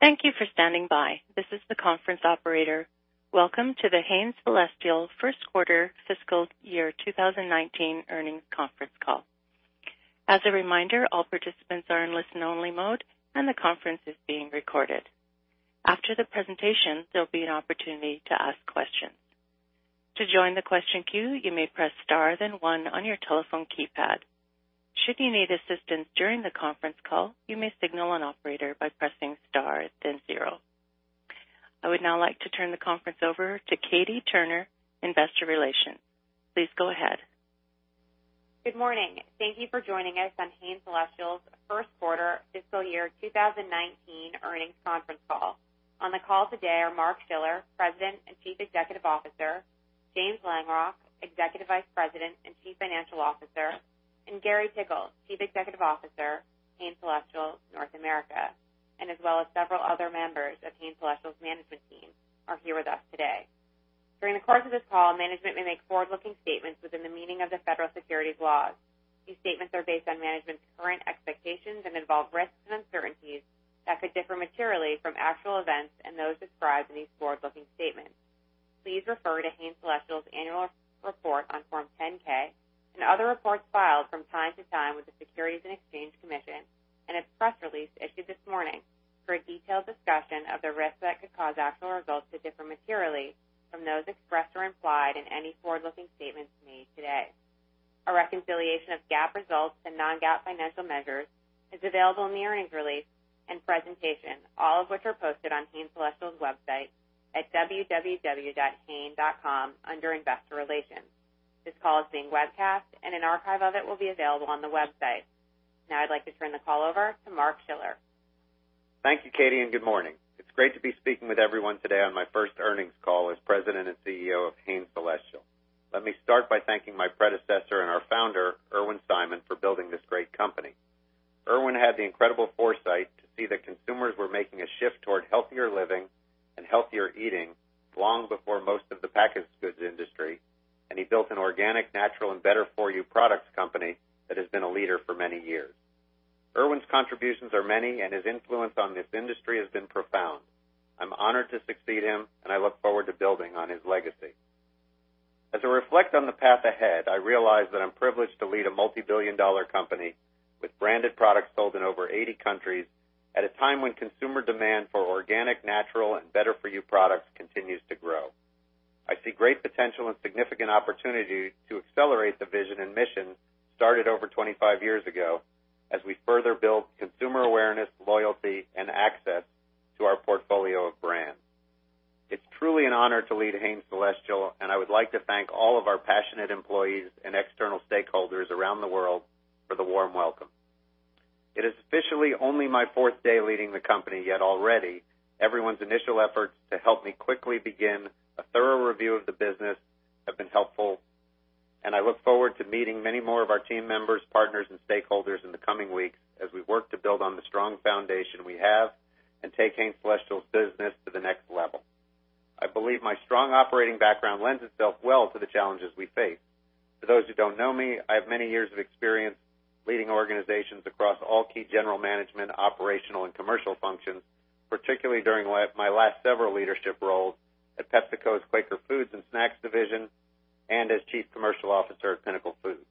Thank you for standing by. This is the conference operator. Welcome to the Hain Celestial first quarter fiscal year 2019 earnings conference call. As a reminder, all participants are in listen-only mode, and the conference is being recorded. After the presentation, there will be an opportunity to ask questions. To join the question queue, you may press star, then one, on your telephone keypad. Should you need assistance during the conference call, you may signal an operator by pressing star then zero. I would now like to turn the conference over to Katie Turner, Investor Relations. Please go ahead. Good morning. Thank you for joining us on Hain Celestial's first quarter fiscal year 2019 earnings conference call. On the call today are Mark Schiller, President and Chief Executive Officer; James Langrock, Executive Vice President and Chief Financial Officer; Gary Tickle, Chief Executive Officer, Hain Celestial North America; as well as several other members of Hain Celestial's management team are here with us today. During the course of this call, management may make forward-looking statements within the meaning of the federal securities laws. These statements are based on management's current expectations and involve risks and uncertainties that could differ materially from actual events and those described in these forward-looking statements. Please refer to Hain Celestial's annual report on Form 10-K and other reports filed from time to time with the Securities and Exchange Commission and its press release issued this morning for a detailed discussion of the risks that could cause actual results to differ materially from those expressed or implied in any forward-looking statements made today. A reconciliation of GAAP results to non-GAAP financial measures is available in the earnings release and presentation, all of which are posted on Hain Celestial's website at www.hain.com under Investor Relations. I'd like to turn the call over to Mark Schiller. Thank you, Katie, and good morning. It's great to be speaking with everyone today on my first earnings call as President and Chief Executive Officer of Hain Celestial. Let me start by thanking my predecessor and our founder, Irwin Simon, for building this great company. Irwin had the incredible foresight to see that consumers were making a shift toward healthier living and healthier eating long before most of the packaged goods industry. He built an organic, natural, and better-for-you products company that has been a leader for many years. Irwin's contributions are many. His influence on this industry has been profound. I'm honored to succeed him. I look forward to building on his legacy. As I reflect on the path ahead, I realize that I'm privileged to lead a multibillion-dollar company with branded products sold in over 80 countries at a time when consumer demand for organic, natural, and better-for-you products continues to grow. I see great potential and significant opportunity to accelerate the vision and mission started over 25 years ago as we further build consumer awareness, loyalty, and access to our portfolio of brands. It's truly an honor to lead Hain Celestial, and I would like to thank all of our passionate employees and external stakeholders around the world for the warm welcome. It is officially only my fourth day leading the company, yet already, everyone's initial efforts to help me quickly begin a thorough review of the business have been helpful. I look forward to meeting many more of our team members, partners, and stakeholders in the coming weeks as we work to build on the strong foundation we have and take Hain Celestial's business to the next level. I believe my strong operating background lends itself well to the challenges we face. For those who don't know me, I have many years of experience leading organizations across all key general management, operational, and commercial functions, particularly during my last several leadership roles at PepsiCo's Quaker Foods & Snacks division and as Chief Commercial Officer at Pinnacle Foods.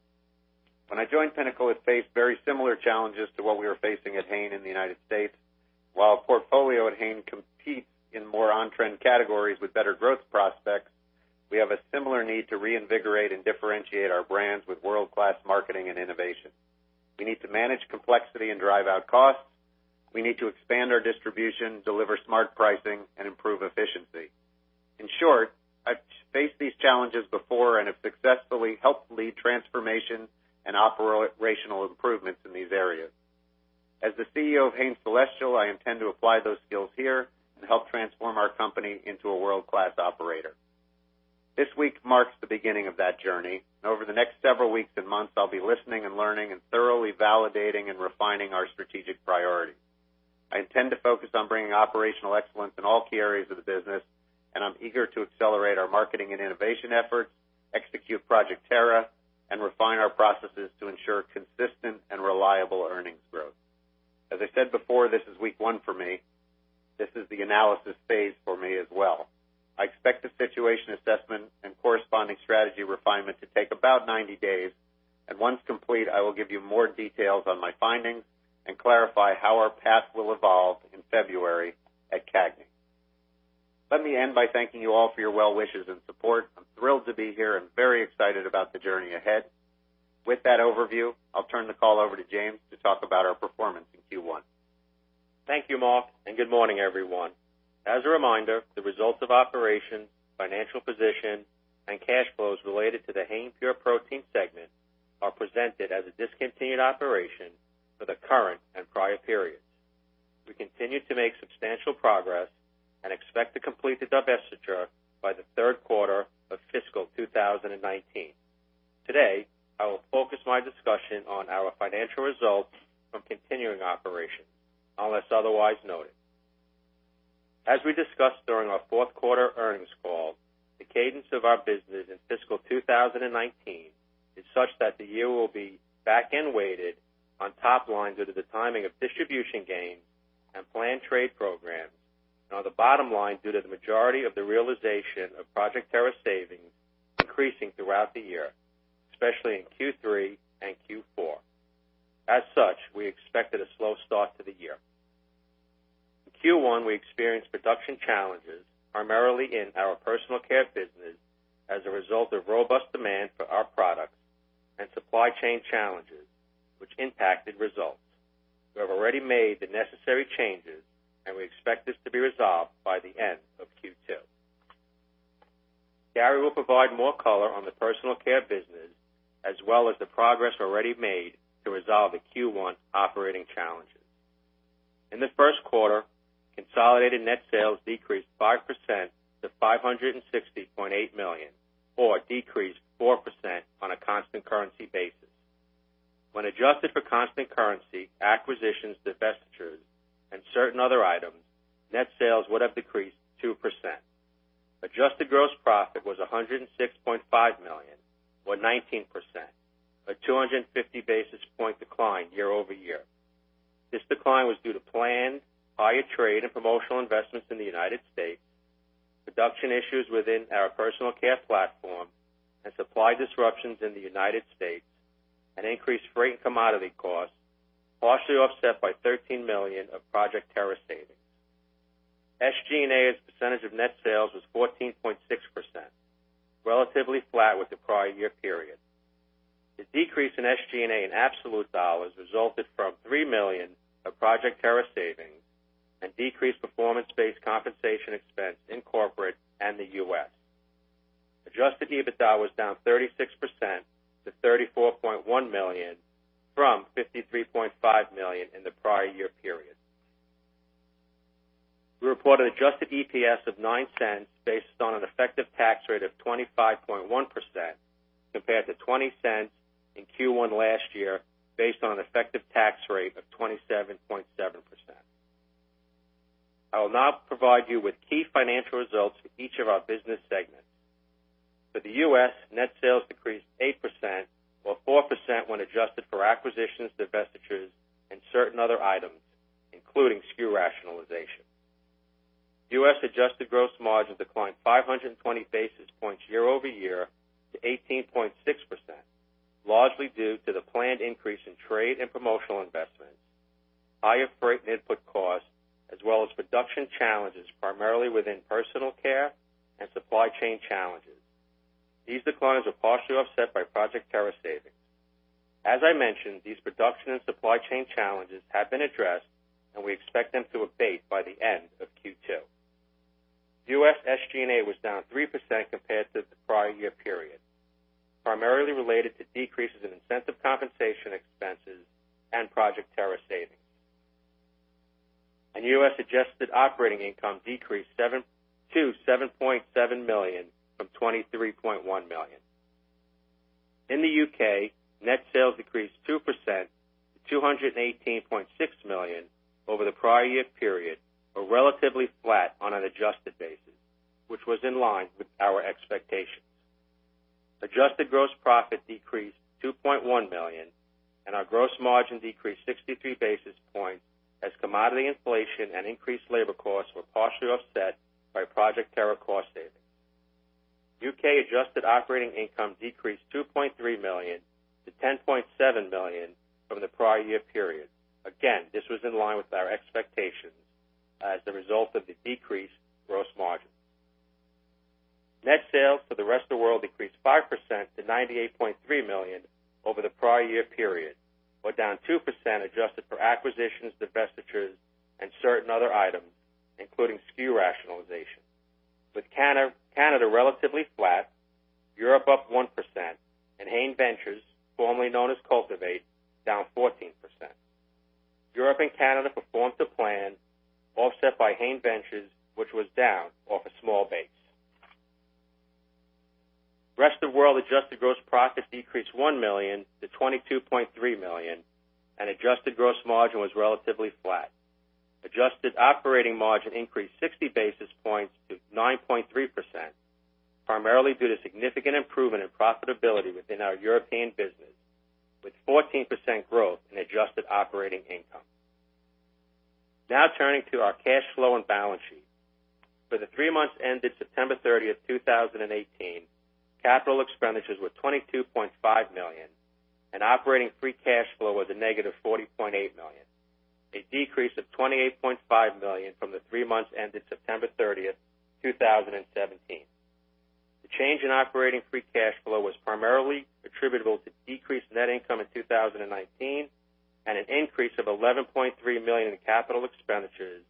When I joined Pinnacle, it faced very similar challenges to what we are facing at Hain in the U.S. While our portfolio at Hain competes in more on-trend categories with better growth prospects, we have a similar need to reinvigorate and differentiate our brands with world-class marketing and innovation. We need to manage complexity and drive out costs. We need to expand our distribution, deliver smart pricing, and improve efficiency. In short, I've faced these challenges before and have successfully helped lead transformation and operational improvements in these areas. As the CEO of Hain Celestial, I intend to apply those skills here and help transform our company into a world-class operator. This week marks the beginning of that journey. Over the next several weeks and months, I'll be listening and learning and thoroughly validating and refining our strategic priorities. I intend to focus on bringing operational excellence in all key areas of the business, and I'm eager to accelerate our marketing and innovation efforts, execute Project Terra, and refine our processes to ensure consistent and reliable earnings growth. As I said before, this is week one for me. This is the analysis phase for me as well. I expect the situation assessment and corresponding strategy refinement to take about 90 days, and once complete, I will give you more details on my findings and clarify how our path will evolve in February at CAGNY. Let me end by thanking you all for your well wishes and support. I'm thrilled to be here and very excited about the journey ahead. With that overview, I'll turn the call over to James to talk about our performance in Q1. Thank you, Mark, and good morning, everyone. As a reminder, the results of operations, financial position, and cash flows related to the Hain Pure Protein segment are presented as a discontinued operation for the current and prior periods. We continue to make substantial progress and expect to complete the divestiture by the third quarter of fiscal 2019. Today, I will focus my discussion on our financial results from continuing operations, unless otherwise noted. As we discussed during our fourth quarter earnings call, the cadence of our business in fiscal 2019 is such that the year will be back-end weighted on top line due to the timing of distribution gains and planned trade programs and on the bottom line due to the majority of the realization of Project Terra savings increasing throughout the year, especially in Q3 and Q4. As such, we expected a slow start to the year. In Q1, we experienced production challenges, primarily in our personal care business, as a result of robust demand for our products and supply chain challenges, which impacted results. We have already made the necessary changes, and we expect this to be resolved by the end of Q2. Gary will provide more color on the personal care business, as well as the progress already made to resolve the Q1 operating challenges. In the first quarter, consolidated net sales decreased 5% to $560.8 million, or decreased 4% on a constant currency basis. When adjusted for constant currency, acquisitions, divestitures, and certain other items, net sales would have decreased 2%. Adjusted gross profit was $106.5 million or 19%, a 250 basis point decline year-over-year. This decline was due to planned higher trade and promotional investments in the United States, production issues within our personal care platform, and supply disruptions in the United States, and increased freight and commodity costs, partially offset by $13 million of Project Terra savings. SG&A as a percentage of net sales was 14.6%, relatively flat with the prior year period. The decrease in SG&A in absolute dollars resulted from $3 million of Project Terra savings and decreased performance-based compensation expense in corporate and the U.S. Adjusted EBITDA was down 36% to $34.1 million from $53.5 million in the prior year period. We reported adjusted EPS of $0.09 based on an effective tax rate of 25.1%, compared to $0.20 in Q1 last year, based on an effective tax rate of 27.7%. I will now provide you with key financial results for each of our business segments. For the U.S., net sales decreased 8% or 4% when adjusted for acquisitions, divestitures, and certain other items, including SKU rationalization. U.S. adjusted gross margin declined 520 basis points year-over-year to 18.6%, largely due to the planned increase in trade and promotional investments, higher freight and input costs, as well as production challenges, primarily within personal care and supply chain challenges. These declines were partially offset by Project Terra savings. As I mentioned, these production and supply chain challenges have been addressed, and we expect them to abate by the end of Q2. U.S. SG&A was down 3% compared to the prior year period, primarily related to decreases in incentive compensation expenses and Project Terra savings. U.S. adjusted operating income decreased to $7.7 million from $23.1 million. In the U.K., net sales decreased 2% to 218.6 million over the prior-year period. Relatively flat on an adjusted basis, which was in line with our expectations. Adjusted gross profit decreased to 2.1 million, and our gross margin decreased 63 basis points as commodity inflation and increased labor costs were partially offset by Project Terra cost savings. U.K. adjusted operating income decreased 2.3 million to 10.7 million from the prior year period. This was in line with our expectations as a result of the decreased gross margin. Net sales for the rest of the world decreased 5% to $98.3 million over the prior-year period, or down 2% adjusted for acquisitions, divestitures, and certain other items, including SKU rationalization. With Canada relatively flat, Europe up 1%, and Hain Ventures, formerly known as Cultivate, down 14%. Europe and Canada performed to plan, offset by Hain Ventures, which was down off a small base. Rest of world adjusted gross profit decreased $1 million to $22.3 million, and adjusted gross margin was relatively flat. Adjusted operating margin increased 60 basis points to 9.3%, primarily due to significant improvement in profitability within our European business, with 14% growth in adjusted operating income. Turning to our cash flow and balance sheet. For the three months ended September 30th, 2018, capital expenditures were $22.5 million, and operating free cash flow was a negative $40.8 million, a decrease of $28.5 million from the three months ended September 30th, 2017. The change in operating free cash flow was primarily attributable to decreased net income in 2019 and an increase of $11.3 million in capital expenditures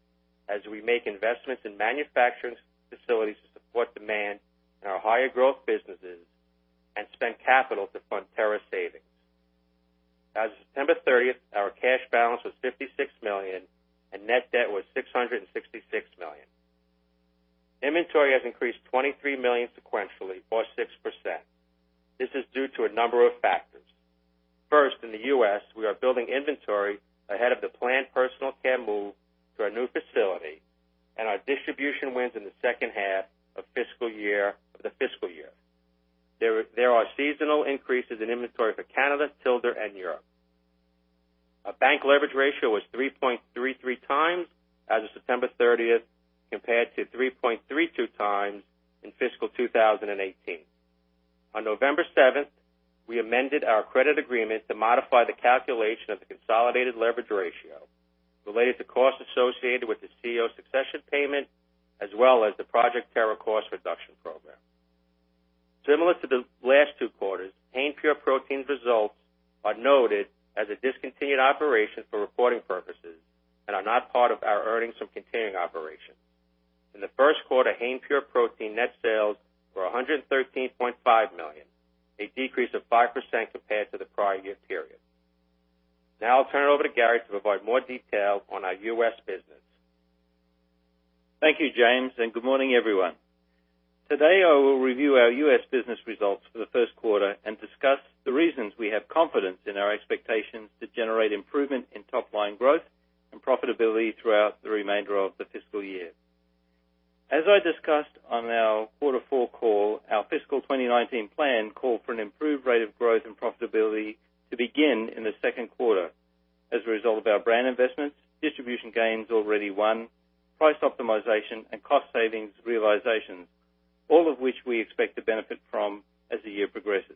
as we make investments in manufacturing facilities to support demand in our higher-growth businesses and spend capital to fund Terra savings. As of September 30th, our cash balance was $56 million, and net debt was $666 million. Inventory has increased $23 million sequentially or 6%. This is due to a number of factors. In the U.S., we are building inventory ahead of the planned personal care move to our new facility and our distribution wins in the second half of the fiscal year. There are seasonal increases in inventory for Canada, Tilda, and Europe. Our bank leverage ratio was 3.33 times as of September 30th, compared to 3.32 times in fiscal 2018. On November 7th, we amended our credit agreement to modify the calculation of the consolidated leverage ratio related to costs associated with the CEO succession payment, as well as the Project Terra cost reduction program. Similar to the last two quarters, Hain Pure Protein's results are noted as a discontinued operation for reporting purposes and are not part of our earnings from continuing operations. In the first quarter, Hain Pure Protein's net sales were $113.5 million, a decrease of 5% compared to the prior year period. I'll turn it over to Gary to provide more detail on our U.S. business. Thank you, James, and good morning, everyone. Today, I will review our U.S. business results for the first quarter and discuss the reasons we have confidence in our expectations to generate improvement in top-line growth and profitability throughout the remainder of the fiscal year. As I discussed on our Quarter Four call, our fiscal 2019 plan called for an improved rate of growth and profitability to begin in the second quarter as a result of our brand investments, distribution gains already won, price optimization, and cost savings realization, all of which we expect to benefit from as the year progresses.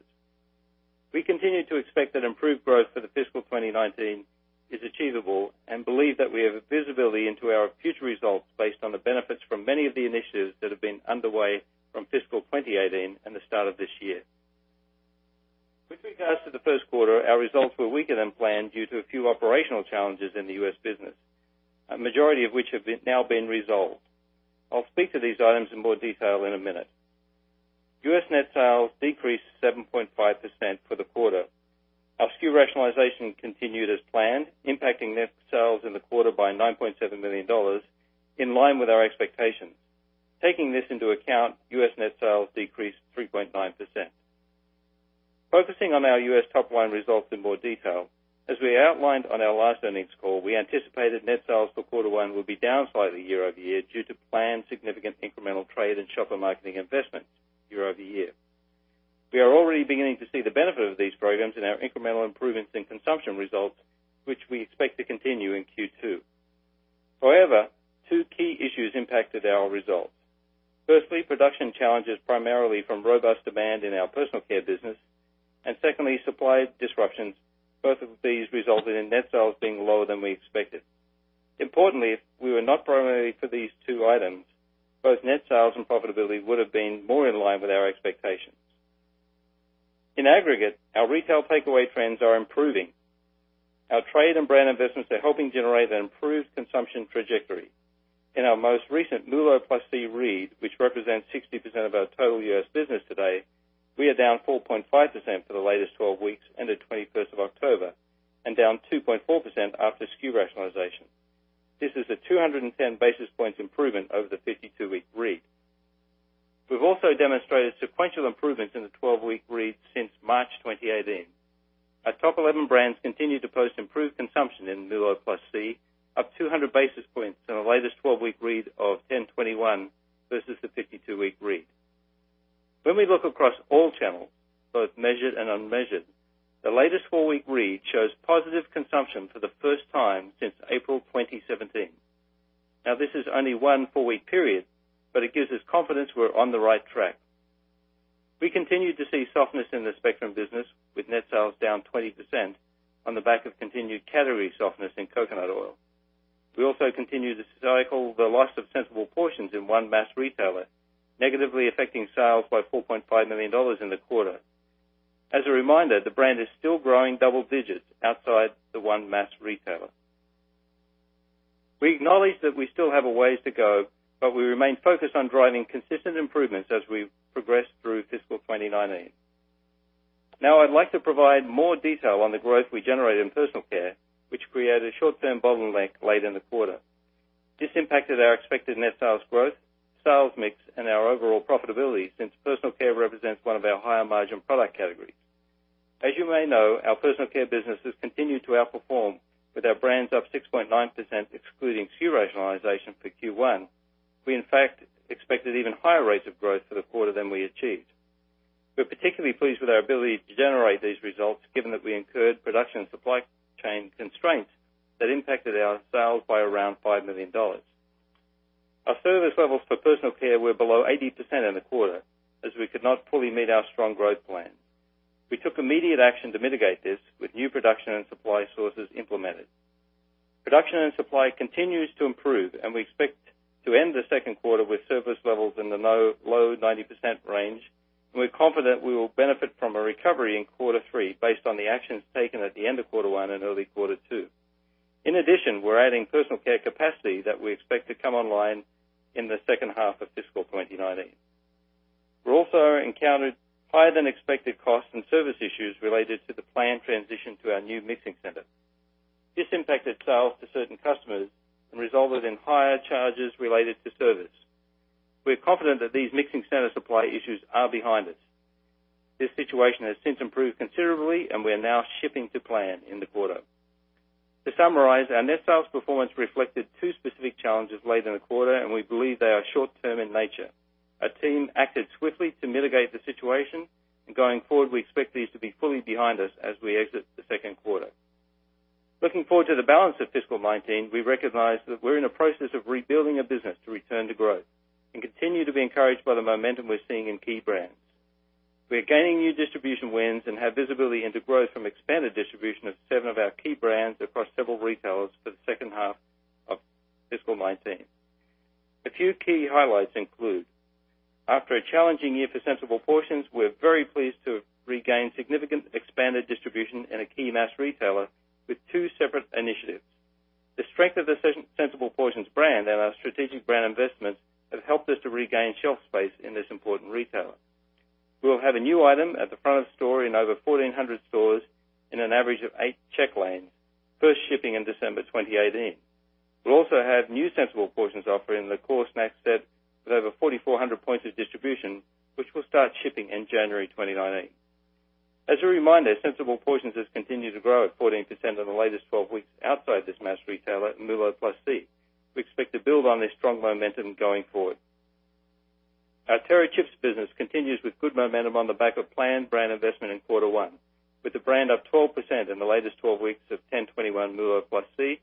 We continue to expect that improved growth for the fiscal 2019 is achievable and believe that we have visibility into our future results based on the benefits from many of the initiatives that have been underway from fiscal 2018 and the start of this year. With regards to the first quarter, our results were weaker than planned due to a few operational challenges in the U.S. business, a majority of which have now been resolved. I'll speak to these items in more detail in a minute. U.S. net sales decreased 7.5% for the quarter. Our SKU rationalization continued as planned, impacting net sales in the quarter by $9.7 million, in line with our expectations. Taking this into account, U.S. net sales decreased 3.9%. Focusing on our U.S. top-line results in more detail, as we outlined on our last earnings call, we anticipated net sales for Quarter One will be down slightly year-over-year due to planned significant incremental trade and shopper marketing investments year-over-year. We are already beginning to see the benefit of these programs in our incremental improvements in consumption results, which we expect to continue in Q2. Two key issues impacted our results. Firstly, production challenges primarily from robust demand in our personal care business, and secondly, supply disruptions. Both of these resulted in net sales being lower than we expected. Importantly, if it were not primarily for these two items, both net sales and profitability would have been more in line with our expectations. In aggregate, our retail takeaway trends are improving. Our trade and brand investments are helping generate an improved consumption trajectory. In our most recent MULO+C read, which represents 60% of our total U.S. business today, we are down 4.5% for the latest 12-weeks ended 21st of October and down 2.4% after SKU rationalization. This is a 210 basis points improvement over the 52-week read. We've also demonstrated sequential improvements in the 12-week read since March 2018. Our top 11 brands continue to post improved consumption in MULO+C, up 200 basis points in the latest 12-week read of 10/21 versus the 52-week read. When we look across all channels, both measured and unmeasured, the latest four-week read shows positive consumption for the first time since April 2017. This is only one four-week period, but it gives us confidence we're on the right track. We continue to see softness in the Spectrum business, with net sales down 20% on the back of continued category softness in coconut oil. We also continue to cycle the loss of Sensible Portions in one mass retailer, negatively affecting sales by $4.5 million in the quarter. As a reminder, the brand is still growing double digits outside the one mass retailer. We acknowledge that we still have a ways to go, but we remain focused on driving consistent improvements as we progress through fiscal 2019. I'd like to provide more detail on the growth we generated in personal care, which created a short-term bottleneck late in the quarter. This impacted our expected net sales growth, sales mix, and our overall profitability since personal care represents one of our higher-margin product categories. As you may know, our personal care business has continued to outperform, with our brands up 6.9% excluding SKU rationalization for Q1. We, in fact, expected even higher rates of growth for the quarter than we achieved. We're particularly pleased with our ability to generate these results, given that we incurred production and supply chain constraints that impacted our sales by around $5 million. Our service levels for personal care were below 80% in the quarter, as we could not fully meet our strong growth plan. We took immediate action to mitigate this with new production and supply sources implemented. Production and supply continue to improve; we expect to end the second quarter with service levels in the low 90% range. we're confident we will benefit from a recovery in Quarter Three based on the actions taken at the end of Quarter One and early Quarter Two. In addition, we're adding personal care capacity that we expect to come online in the second half of fiscal 2019. We also encountered higher-than-expected costs and service issues related to the planned transition to our new mixing center. This impacted sales to certain customers and resulted in higher charges related to service. We are confident that these mixing-standard supply issues are behind us. This situation has since improved considerably; we are now shipping to plan in the quarter. To summarize, our net sales performance reflected two specific challenges late in the quarter; we believe they are short-term in nature. Our team acted swiftly to mitigate the situation; going forward, we expect these to be fully behind us as we exit the second quarter. Looking forward to the balance of fiscal 2019, we recognize that we're in a process of rebuilding a business to return to growth and continue to be encouraged by the momentum we're seeing in key brands. We are gaining new distribution wins and have visibility into growth from expanded distribution of seven of our key brands across several retailers for the second half of fiscal 2019. A few key highlights include, after a challenging year for Sensible Portions, we're very pleased to have regained significant expanded distribution in a key mass retailer with two separate initiatives. The strength of the Sensible Portions brand and our strategic brand investments have helped us to regain shelf space in this important retailer. We'll have a new item at the front of the store in over 1,400 stores in an average of eight check lanes, first shipping in December 2018. We'll also have new Sensible Portions offerings in the core snack set with over 4,400 points of distribution, which will start shipping in January 2019. As a reminder, Sensible Portions has continued to grow at 14% in the latest 12 weeks outside this mass retailer in MULO+C. We expect to build on this strong momentum going forward. Our Terra Chips business continues with good momentum on the back of planned brand investment in quarter 1, with the brand up 12% in the latest 12 weeks of 10/21 MULO+C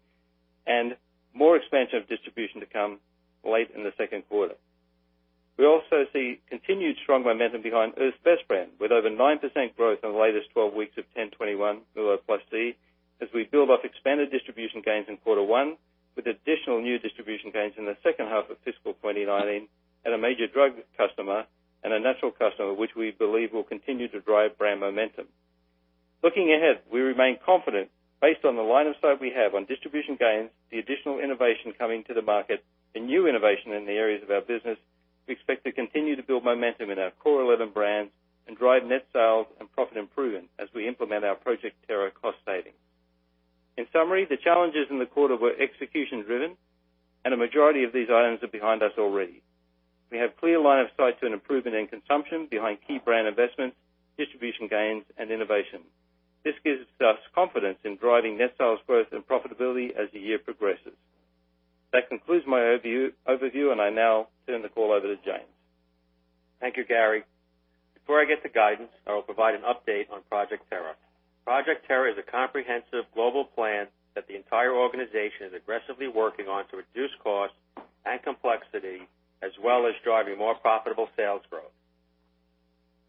and more expansion of distribution to come late in the second quarter. We also see continued strong momentum behind Earth's Best brand, with over 9% growth in the latest 12 weeks of 10/21 MULO+C as we build off expanded distribution gains in quarter 1 with additional new distribution gains in the second half of fiscal 2019 at a major drug customer and a natural customer, which we believe will continue to drive brand momentum. Looking ahead, we remain confident based on the line of sight we have on distribution gains, the additional innovation coming to the market, and new innovation in the areas of our business. We expect to continue to build momentum in our core 11 brands and drive net sales and profit improvement as we implement our Project Terra cost savings. In summary, the challenges in the quarter were execution-driven, and a majority of these items are behind us already. We have a clear line of sight to an improvement in consumption behind key brand investments, distribution gains, and innovation. This gives us confidence in driving net sales growth and profitability as the year progresses. That concludes my overview, and I now turn the call over to James. Thank you, Gary. Before I get to guidance, I will provide an update on Project Terra. Project Terra is a comprehensive global plan that the entire organization is aggressively working on to reduce cost and complexity, as well as driving more profitable sales growth.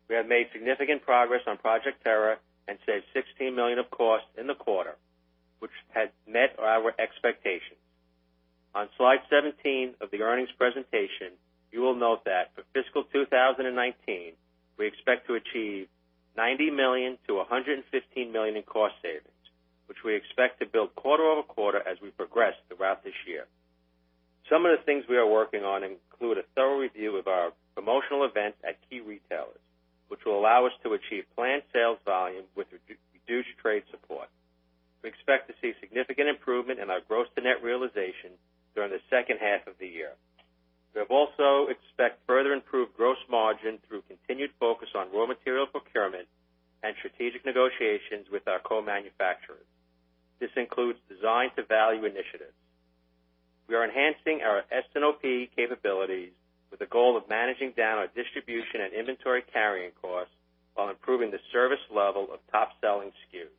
We have made significant progress on Project Terra and saved $16 million of cost in the quarter, which has met our expectations. On slide 17 of the earnings presentation, you will note that for fiscal 2019, we expect to achieve $90 million to $115 million in cost savings, which we expect to build quarter-over-quarter as we progress throughout this year. Some of the things we are working on include a thorough review of our promotional events at key retailers, which will allow us to achieve planned sales volume with reduced trade support. We expect to see significant improvement in our gross to net realization during the second half of the year. We also expect further improved gross margin through continued focus on raw material procurement and strategic negotiations with our co-manufacturers. This includes design to value initiatives. We are enhancing our S&OP capabilities with the goal of managing down our distribution and inventory carrying costs while improving the service level of top-selling SKUs.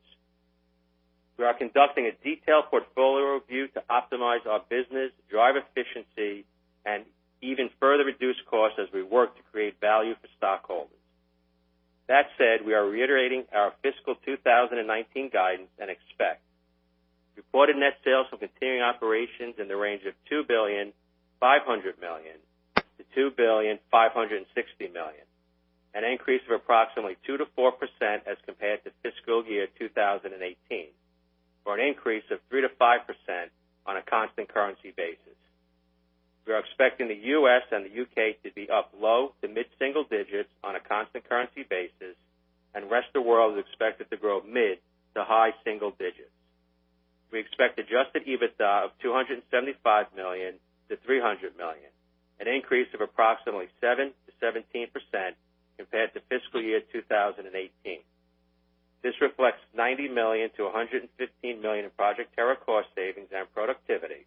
We are conducting a detailed portfolio review to optimize our business, drive efficiency, and even further reduce costs as we work to create value for stockholders. That said, we are reiterating our fiscal 2019 guidance and expect reported net sales from continuing operations in the range of $2.5 billion-$2.56 billion, an increase of approximately 2%-4% as compared to fiscal year 2018, or an increase of 3%-5% on a constant currency basis. We are expecting the U.S. and the U.K. to be up low to mid-single digits on a constant currency basis, and the rest of the world is expected to grow mid to high single digits. We expect adjusted EBITDA of $275 million-$300 million, an increase of approximately 7%-17% compared to fiscal year 2018. This reflects $90 million-$115 million in Project Terra cost savings and productivity,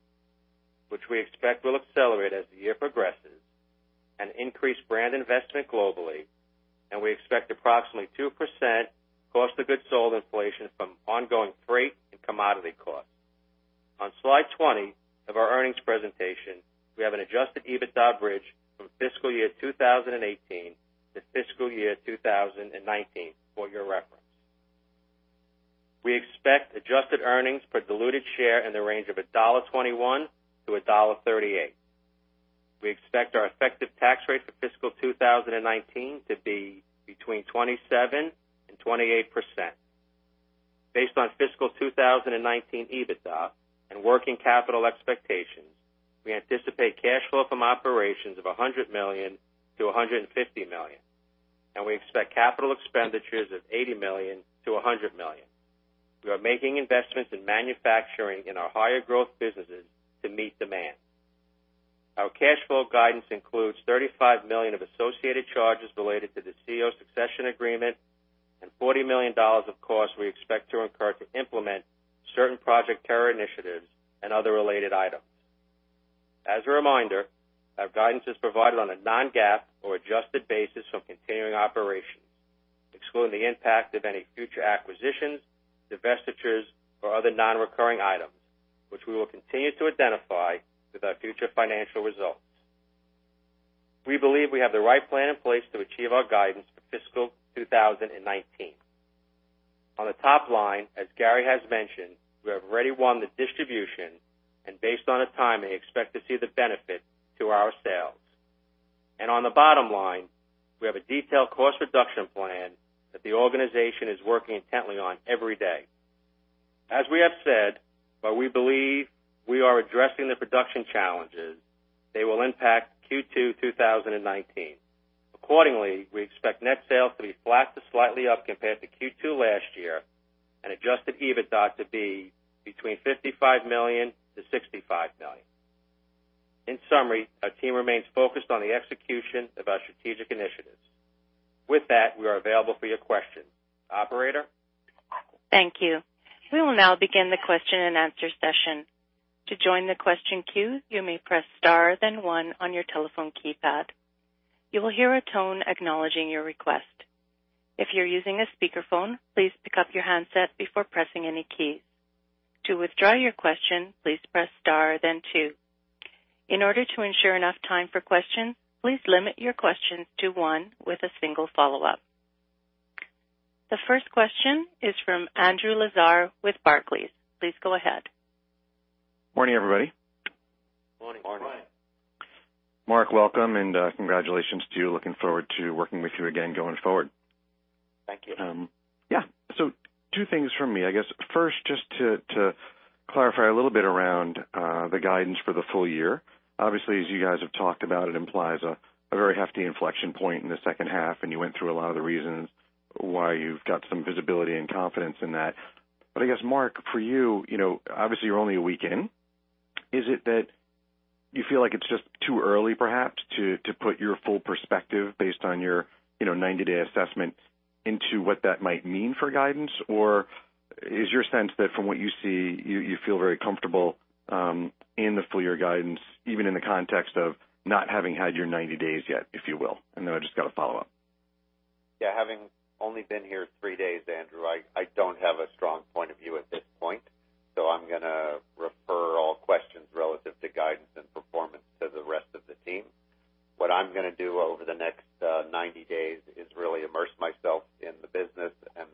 which we expect will accelerate as the year progresses and increase brand investment globally. We expect approximately 2% cost of goods sold inflation from ongoing freight and commodity costs. On slide 20 of our earnings presentation, we have an adjusted EBITDA bridge from fiscal year 2018 to fiscal year 2019 for your reference. We expect adjusted earnings per diluted share in the range of $1.21-$1.38. We expect our effective tax rate for fiscal 2019 to be between 27% and 28%. Based on fiscal 2019 EBITDA and working capital expectations, we anticipate cash flow from operations of $100 million-$150 million. We expect capital expenditures of $80 million-$100 million. We are making investments in manufacturing in our higher-growth businesses to meet demand. Our cash flow guidance includes $35 million of associated charges related to the CEO succession agreement and $40 million of costs we expect to incur to implement certain Project Terra initiatives and other related items. As a reminder, our guidance is provided on a non-GAAP or adjusted basis from continuing operations, excluding the impact of any future acquisitions, divestitures, or other non-recurring items, which we will continue to identify with our future financial results. We believe we have the right plan in place to achieve our guidance for fiscal 2019. On the top line, as Gary has mentioned, we have already won the distribution and based on the timing, expect to see the benefit to our sales. On the bottom line, we have a detailed cost reduction plan that the organization is working intently on every day. As we have said, while we believe we are addressing the production challenges, they will impact Q2 2019. Accordingly, we expect net sales to be flat to slightly up compared to Q2 last year and adjusted EBITDA to be between $55 million-$65 million. In summary, our team remains focused on the execution of our strategic initiatives. With that, we are available for your questions. Operator? Thank you. We will now begin the question and answer session. To join the question queue, you may press star, then one, on your telephone keypad. You will hear a tone acknowledging your request. If you're using a speakerphone, please pick up your handset before pressing any keys. To withdraw your question, please press star then two. In order to ensure enough time for questions, please limit your questions to one with a single follow-up. The first question is from Andrew Lazar with Barclays. Please go ahead. Morning, everybody. Morning. Morning. Mark, welcome and congratulations to you. Looking forward to working with you again going forward. Thank you. Yeah. Two things from me. I guess first, just to clarify a little bit around the guidance for the full year. Obviously, as you guys have talked about, it implies a very hefty inflection point in the second half, and you went through a lot of the reasons why you've got some visibility and confidence in that. I guess, Mark, for you, obviously you're only a week in, is it that you feel like it's just too early perhaps to put your full perspective based on your 90-day assessment into what that might mean for guidance? Or is your sense that from what you see, you feel very comfortable in the full-year guidance, even in the context of not having had your 90 days yet, if you will? I've just got a follow-up. Yeah. Having only been here three days, Andrew, I don't have a strong point of view at this point, so I'm going to refer all questions relative to guidance and performance to the rest of the team. What I'm going to do over the next 90 days is really immerse myself in the business and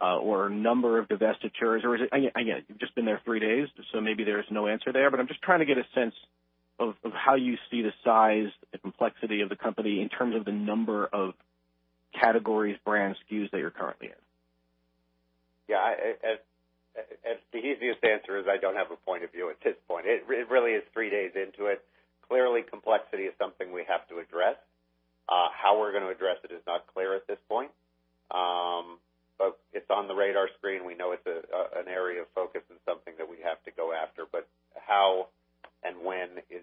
or number of divestitures? Again, you've just been there three days, so maybe there's no answer there. I'm just trying to get a sense of how you see the size and complexity of the company in terms of the number of categories, brands, SKUs that you're currently in. Yeah. The easiest answer is I don't have a point of view at this point. It really is three days into it. Clearly, complexity is something we have to address. How we're going to address it is not clear at this point. It's on the radar screen. We know it's an area of focus and something that we have to go after; how and when is,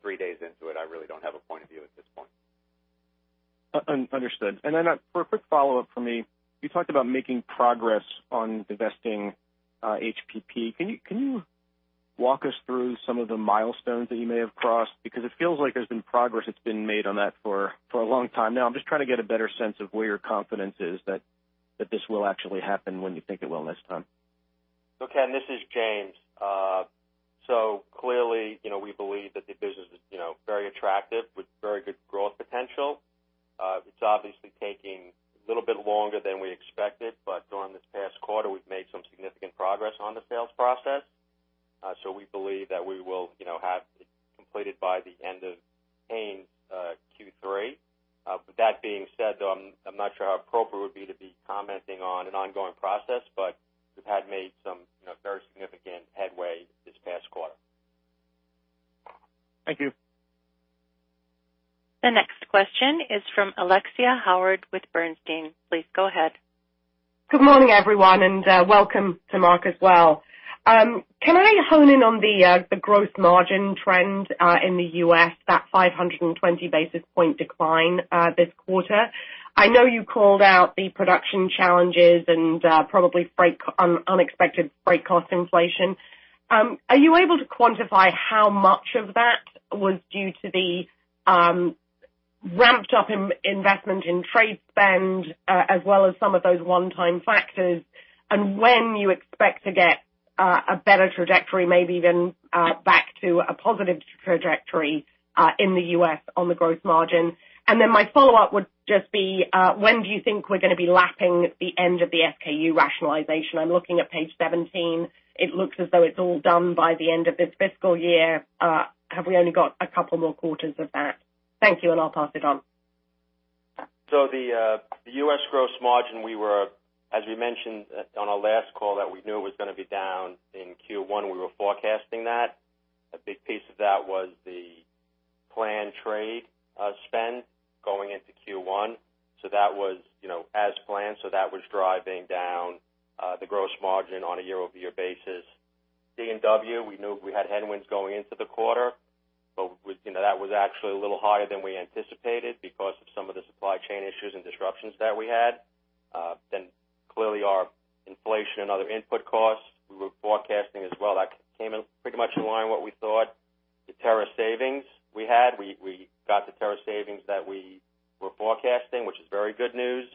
three days into it, I really don't have a point of view at this point. Understood. Then for a quick follow-up from me, you talked about making progress on divesting HPP. Can you walk us through some of the milestones that you may have crossed? It feels like there's been progress that's been made on that for a long time now. I'm just trying to get a better sense of where your confidence is that this will actually happen when you think it will this time. Ken, this is James. Clearly, we believe that the business is very attractive with very good growth potential. It's obviously taking a little bit longer than we expected; during this past quarter, we've made some significant progress on the sales process. We believe that we will have it completed by the end of Hain's Q3. With that being said, though, I'm not sure how appropriate it would be to be commenting on an ongoing process; we've made some very significant headway this past quarter. Thank you. The next question is from Alexia Howard with Bernstein. Please go ahead. Good morning, everyone, welcome to Mark as well. Can I hone in on the gross margin trend in the U.S., that 520 basis point decline this quarter? I know you called out the production challenges and probably unexpected freight cost inflation. Are you able to quantify how much of that was due to the ramped-up investment in trade spend, as well as some of those one-time factors? When you expect to get a better trajectory, maybe even back to a positive trajectory, in the U.S. on the growth margin? Then my follow-up would just be, when do you think we're going to be lapping the end of the SKU rationalization? I'm looking at page 17. It looks as though it's all done by the end of this fiscal year. Have we only got a couple more quarters of that? Thank you, and I'll pass it on. The U.S. gross margin, as we mentioned on our last call, that we knew it was going to be down in Q1. We were forecasting that. A big piece of that was the planned trade spend going into Q1. That was as planned. That was driving down the gross margin on a year-over-year basis. D&W, we knew we had headwinds going into the quarter, but that was actually a little higher than we anticipated because of some of the supply chain issues and disruptions that we had. Clearly our inflation and other input costs we were forecasting as well. That came in pretty much in line what we thought. The Terra savings we had, we got the Terra savings that we were forecasting, which is very good news.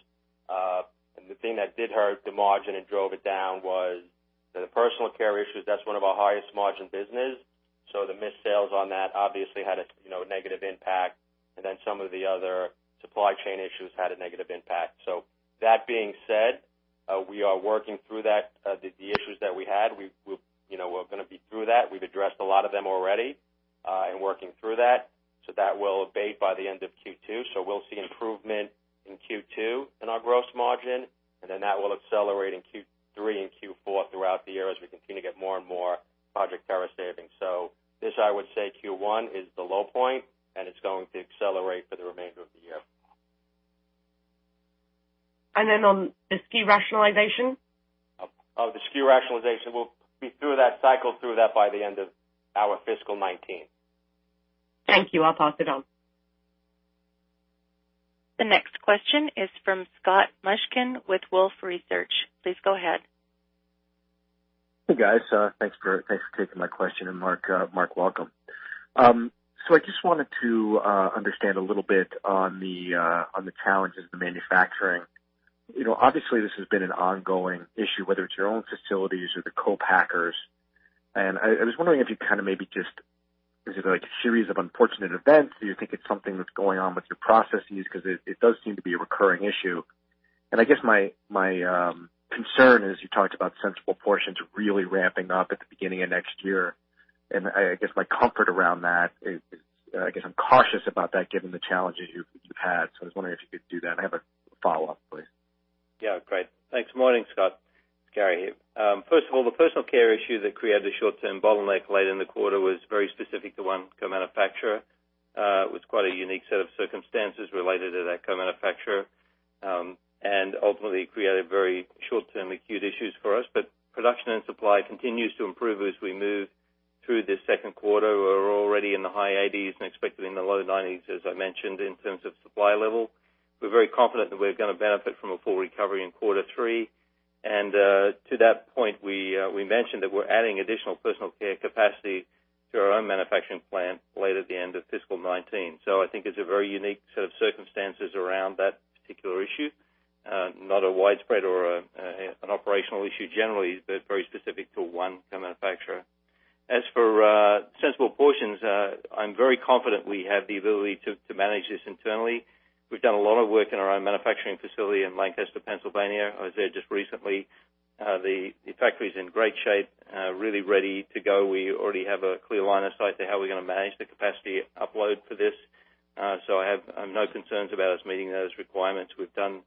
The thing that did hurt the margin and drove it down was the personal care issues. That's one of our highest-margin business. The missed sales on that obviously had a negative impact. Some of the other supply chain issues had a negative impact. That being said, we are working through that. The issues that we had, we're going to be through that. We've addressed a lot of them already, and working through that. That will abate by the end of Q2. We'll see improvement in Q2 in our gross margin, and then that will accelerate in Q3 and Q4 throughout the year as we continue to get more and more Project Terra savings. This, I would say, Q1 is the low point, and it's going to accelerate for the remainder of the year. On the SKU rationalization? The SKU rationalization. We'll be through that cycle through that by the end of our fiscal 2019. Thank you. I'll pass it on. The next question is from Scott Mushkin with Wolfe Research. Please go ahead. Hey, guys. Thanks for taking my question, and Mark, welcome. I just wanted to understand a little bit on the challenges of the manufacturing. Obviously, this has been an ongoing issue, whether it's your own facilities or the co-packers. I was wondering if you kind of maybe is it like a series of unfortunate events? Do you think it's something that's going on with your processes? Because it does seem to be a recurring issue. I guess my concern is you talked about Sensible Portions really ramping up at the beginning of next year. I guess my comfort around that is I guess I'm cautious about that given the challenges you've had. I was wondering if you could do that. I have a follow-up, please. Yeah. Great. Thanks. Morning, Scott. Gary here. First of all, the personal care issue that created a short-term bottleneck late in the quarter was very specific to one co-manufacturer, with quite a unique set of circumstances related to that co-manufacturer, and ultimately created very short-term acute issues for us. Production and supply continue to improve as we move through this second quarter. We're already in the high 80s and expecting the low 90s, as I mentioned, in terms of supply level. We're very confident that we're going to benefit from a full recovery in quarter three. To that point, we mentioned that we're adding additional personal care capacity to our own manufacturing plant late at the end of fiscal 2019. I think it's a very unique set of circumstances around that particular issue. Not a widespread or an operational issue generally, but very specific to one co-manufacturer. As for Sensible Portions, I'm very confident we have the ability to manage this internally. We've done a lot of work in our own manufacturing facility in Lancaster, Pennsylvania. I was there just recently. The factory's in great shape, really ready to go. We already have a clear line of sight to how we're going to manage the capacity upload for this. I have no concerns about us meeting those requirements. We've done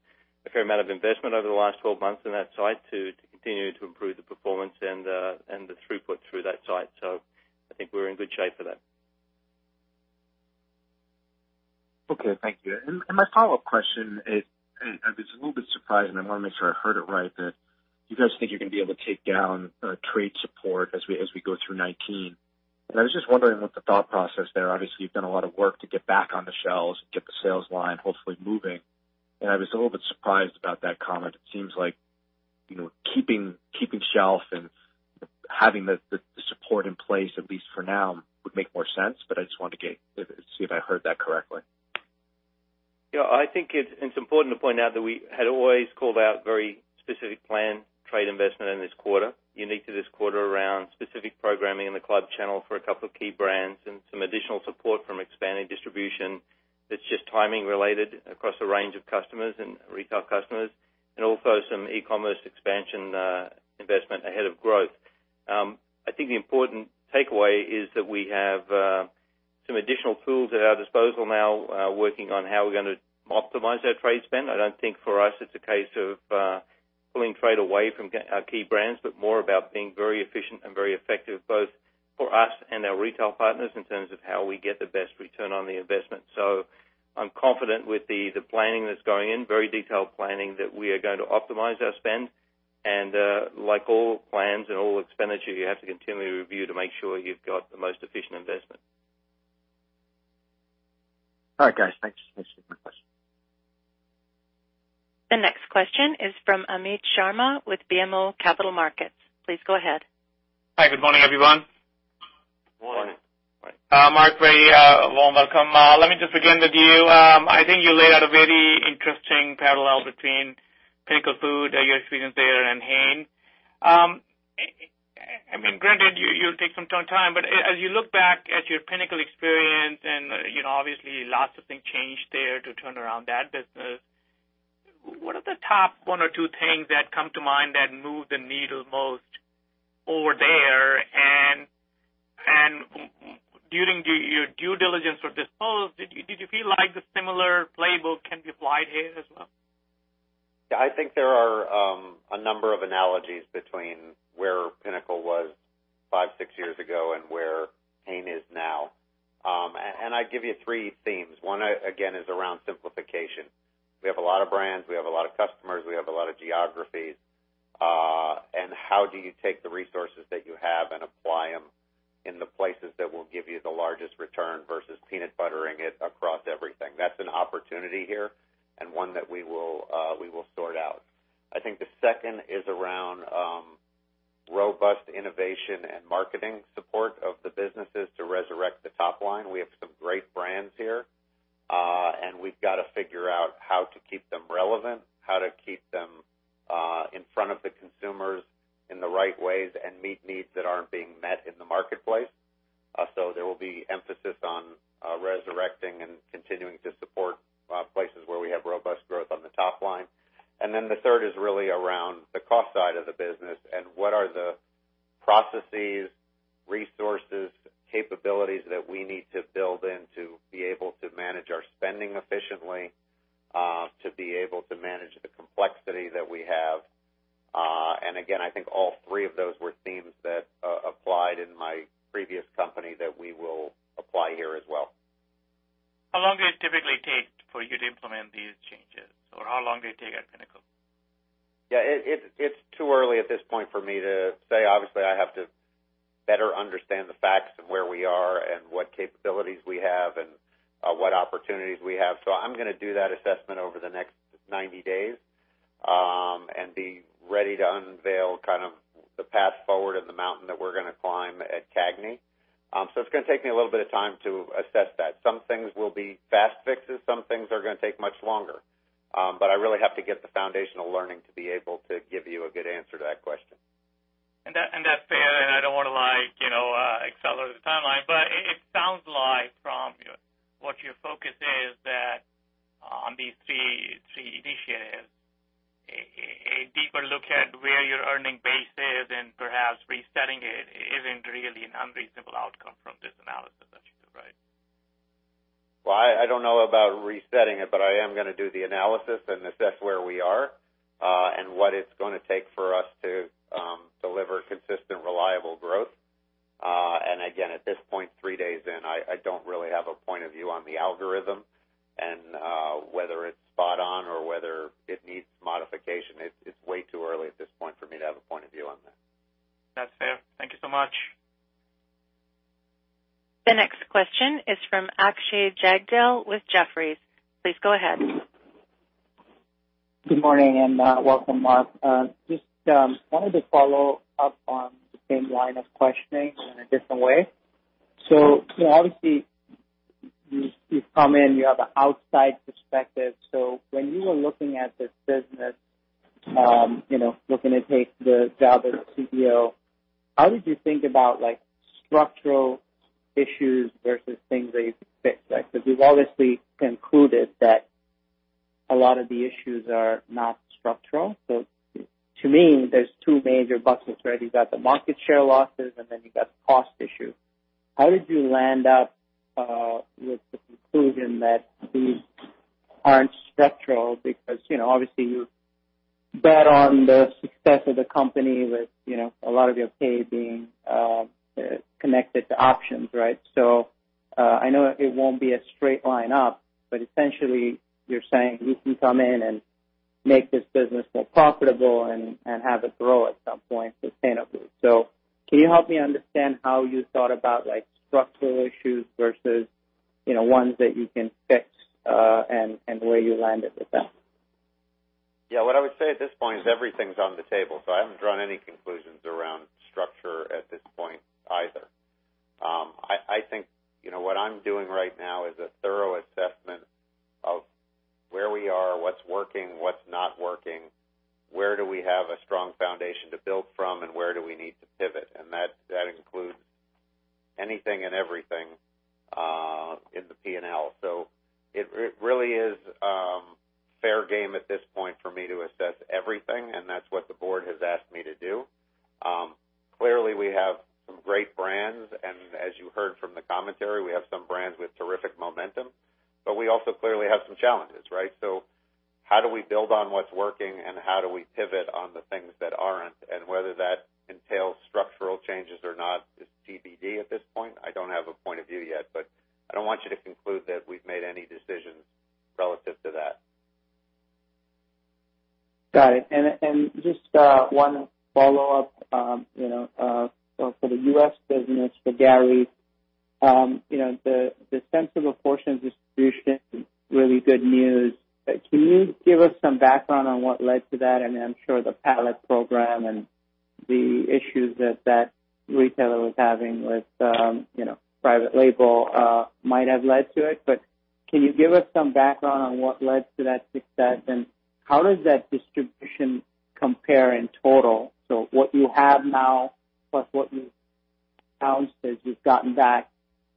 a fair amount of investment over the last 12 months on that site to continue to improve the performance and the throughput through that site. I think we're in good shape for that. Okay. Thank you. My follow-up question: I was a little bit surprised, and I want to make sure I heard it right, that you guys think you're going to be able to take down trade support as we go through 2019. I was just wondering what the thought process there. Obviously, you've done a lot of work to get back on the shelves and get the sales line hopefully moving, and I was a little bit surprised about that comment. It seems like keeping shelf and having the support in place, at least for now, would make more sense. I just wanted to see if I heard that correctly. I think it's important to point out that we had always called out very specific plan trade investment in this quarter, unique to this quarter, around specific programming in the club channel for a couple of key brands and some additional support from expanding distribution that's just timing-related across a range of customers and retail customers, and also some e-commerce expansion investment ahead of growth. I think the important takeaway is that we have some additional tools at our disposal now, working on how we're going to optimize our trade spend. I don't think for us it's a case of pulling trade away from our key brands but more about being very efficient and very effective, both for us and our retail partners, in terms of how we get the best return on the investment. I'm confident with the planning that's going in, very detailed planning, that we are going to optimize our spend. Like all plans and all expenditures, you have to continually review to make sure you've got the most efficient investment. All right, guys. Thanks. That's it for my questions. The next question is from Amit Sharma with BMO Capital Markets. Please go ahead. Hi. Good morning, everyone. Good morning. Mark, for you, a warm welcome. Let me just begin with you. I think you laid out a very interesting parallel between Pinnacle Foods, your experience there, and Hain. Granted, you'll take some time, but as you look back at your Pinnacle Foods experience, and obviously lots of things changed there to turn around that business, what are the top one or two things that come to mind that moved the needle most over there? During your due diligence or dispose, did you feel like the similar playbook can be applied here as well? I think there are a number of analogies between where Pinnacle Foods was five, six years ago and where Hain is now. I'd give you three themes. One, again, is around simplification. We have a lot of brands, we have a lot of customers, we have a lot of geographies. How do you take the resources that you have and apply them in the places that will give you the largest return versus peanut buttering it across everything? That's an opportunity here and one that we will sort out. I think the second is around robust innovation and marketing support of the businesses to resurrect the top line. We have some great brands here. We've got to figure out how to keep them relevant, how to keep them in front of the consumers in the right ways, and meet needs that aren't being met in the marketplace. There will be emphasis on resurrecting and continuing to support places where we have robust growth on the top line. The third is really around the cost side of the business and what are the processes, resources, capabilities that we need to build in to be able to manage our spending efficiently, to be able to manage the complexity that we have. Again, I think all three of those were themes that applied in my previous company that we will apply here as well. How long does it typically take for you to implement these changes, or how long did it take at Pinnacle Foods? Yeah, it's too early at this point for me to say. Obviously, I have to better understand the facts and where we are and what capabilities we have and what opportunities we have. I'm going to do that assessment over the next 90 days and be ready to unveil kind of the path forward and the mountain that we're going to climb at CAGNY. It's going to take me a little bit of time to assess that. Some things will be fast fixes; some things are going to take much longer. I really have to get the foundational learning to be able to give you a good answer to that question. That's fair. I don't want to accelerate the timeline, but it sounds like from what your focus is that on these three initiatives, a deeper look at where your earning base is and perhaps resetting it isn't really an unreasonable outcome from this analysis that you do, right? Well, I don't know about resetting it, but I am going to do the analysis and assess where we are and what it's going to take for us to deliver consistent, reliable growth. Again, at this point, three days in, I don't really have a point of view on the algorithm and whether it's spot on or whether it needs modification. It's way too early at this point for me to have a point of view on that. That's fair. Thank you so much. The next question is from Akshay Jagdale with Jefferies. Please go ahead. Good morning, and welcome, Mark. Just wanted to follow up on the same line of questioning in a different way. Obviously, you've come in, you have an outside perspective. When you were looking at this business, looking to take the job as CEO, how did you think about structural issues versus things that you could fix? You've obviously concluded that a lot of the issues are not structural. To me, there's two major buckets, right? You've got the market share losses, and then you've got the cost issue. How did you land up with the conclusion that these aren't structural? Obviously, you bet on the success of the company with a lot of your pay being connected to options, right? I know it won't be a straight line up; essentially, you're saying you can come in and make this business more profitable and have it grow at some point sustainably. Can you help me understand how you thought about structural issues versus ones that you can fix, and where you landed with that? Yeah. What I would say at this point is everything's on the table; I haven't drawn any conclusions around structure at this point either. I think what I'm doing right now is a thorough assessment of where we are, what's working, what's not working, where do we have a strong foundation to build from, and where do we need to pivot? That includes anything and everything in the P&L. It really is fair game at this point for me to assess everything, and that's what the board has asked me to do. Clearly, we have some great brands, as you heard from the commentary, we have some brands with terrific momentum, we also clearly have some challenges, right? How do we build on what's working, and how do we pivot on the things that aren't? Whether that entails structural changes or not is TBD at this point. I don't have a point of view yet, but I don't want you to conclude that we've made any decisions relative to that. Got it. Just one follow-up. For the U.S. business, for Gary, the Sensible Portions distribution, really good news. Can you give us some background on what led to that? I'm sure the pallet program and the issues that retailer was having with private label might have led to it. Can you give us some background on what led to that success, and how does that distribution compare in total? So what you have now, plus what you've gotten back,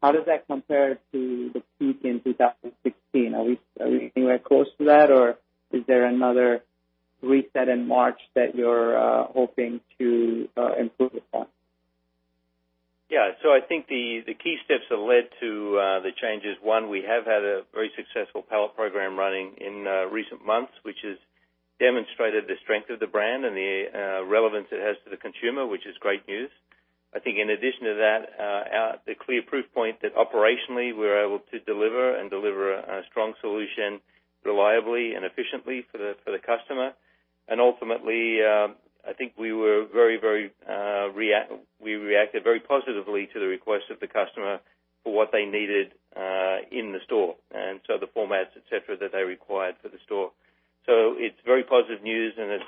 how does that compare to the peak in 2016? Are we anywhere close to that, or is there another reset in March that you're hoping to improve upon? Yeah. I think the key steps that led to the changes, one, we have had a very successful pallet program running in recent months, which has demonstrated the strength of the brand and the relevance it has to the consumer, which is great news. I think in addition to that, the clear proof point that operationally we're able to deliver and deliver a strong solution reliably and efficiently for the customer. Ultimately, I think we reacted very positively to the request of the customer for what they needed, in the store, the formats, et cetera, that they required for the store. It's very positive news, and it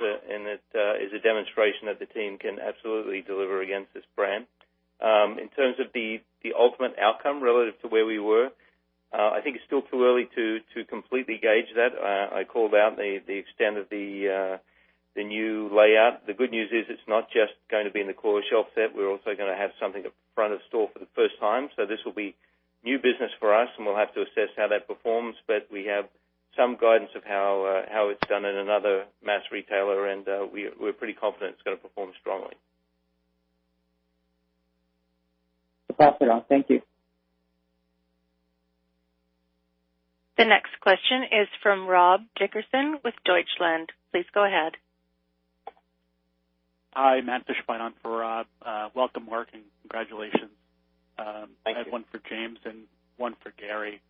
is a demonstration that the team can absolutely deliver against this brand. In terms of the ultimate outcome relative to where we were, I think it's still too early to completely gauge that. I called out the extent of the new layout. The good news is it's not just going to be in the core shelf set. We're also going to have something at the front of the store for the first time. This will be new business for us, and we'll have to assess how that performs. We have some guidance of how it's done in another mass retailer, and we're pretty confident it's going to perform strongly. Thank you. The next question is from Rob Dickerson with Deutsche Bank. Please go ahead. Hi, Matt. Dickerson for Rob. Welcome, Mark, and congratulations. Thank you. I have one for James and one for Gary.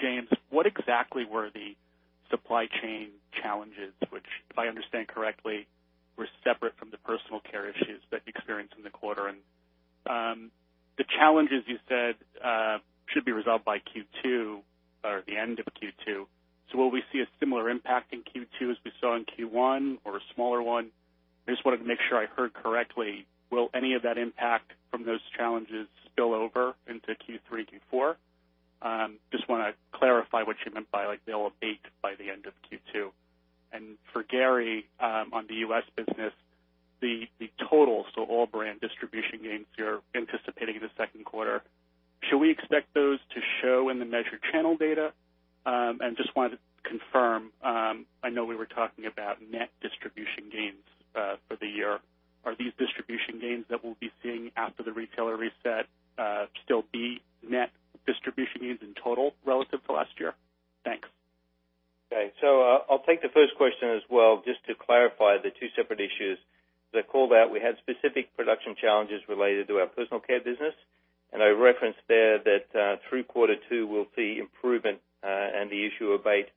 James, what exactly were the supply chain challenges, which, if I understand correctly, were separate from the personal care issues that you experienced in the quarter? The challenges you said, should be resolved by Q2 or the end of Q2. Will we see a similar impact in Q2 as we saw in Q1 or a smaller one? I just wanted to make sure I heard correctly. Will any of that impact from those challenges spill over into Q3, Q4? Just want to clarify what you meant by "they'll abate by the end of Q2." For Gary, on the U.S. business, the total, all brand distribution gains you're anticipating in the second quarter—should we expect those to show in the measured channel data? Just wanted to confirm; I know we were talking about net distribution gains for the year. Are these distribution gains that we'll be seeing after the retailer reset still be net distribution gains in total relative to last year? Thanks. I'll take the first question as well just to clarify the two separate issues. As I called out, we had specific production challenges related to our personal care business, and I referenced there that, through quarter two, we'll see improvement and the issue abate.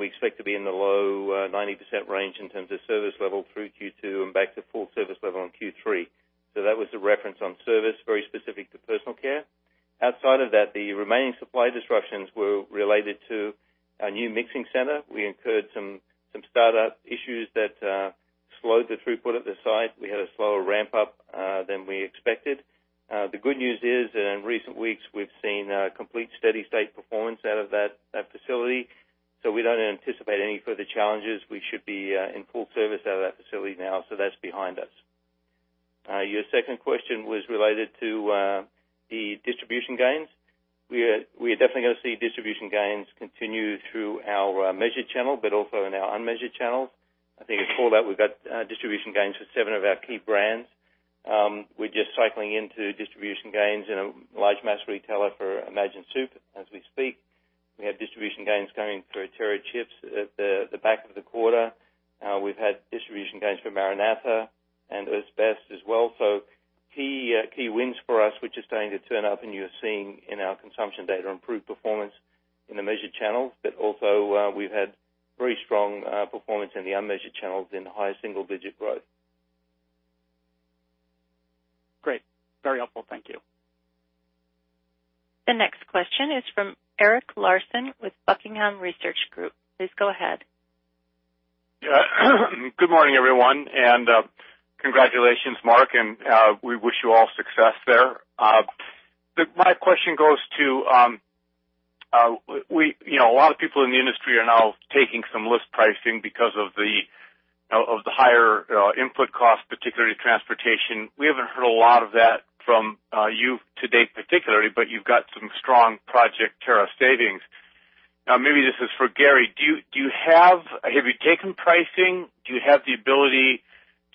We expect to be in the low 90% range in terms of service level through Q2 and back to full service level in Q3. That was the reference on service, very specific to personal care. Outside of that, the remaining supply disruptions were related to our new mixing center. We incurred some startup issues that slowed the throughput at the site. We had a slower ramp-up than we expected. The good news is, in recent weeks, we've seen complete steady state performance out of that facility. We don't anticipate any further challenges. We should be in full service out of that facility now, so that's behind us. Your second question was related to the distribution gains. We are definitely going to see distribution gains continue through our measured channel but also in our unmeasured channels. I think I called out we've got distribution gains for seven of our key brands. We're just cycling into distribution gains in a large mass retailer for Imagine Soup as we speak. We have distribution gains coming through Terra Chips at the back of the quarter. We've had distribution gains for MaraNatha and Earth's Best as well. Key wins for us, which are starting to turn up, and you're seeing in our consumption data, improved performance in the measured channels. Also, we've had very strong performance in the unmeasured channels in higher single-digit growth. Great. Very helpful. Thank you. The next question is from Eric Larson with The Buckingham Research Group. Please go ahead. Good morning, everyone. Congratulations, Mark; we wish you all success there. My question goes to, a lot of people in the industry are now taking some list pricing because of the higher input costs, particularly transportation. We haven't heard a lot of that from you to date, particularly, but you've got some strong Project Terra savings. Maybe this is for Gary. Have you taken pricing? Do you have the ability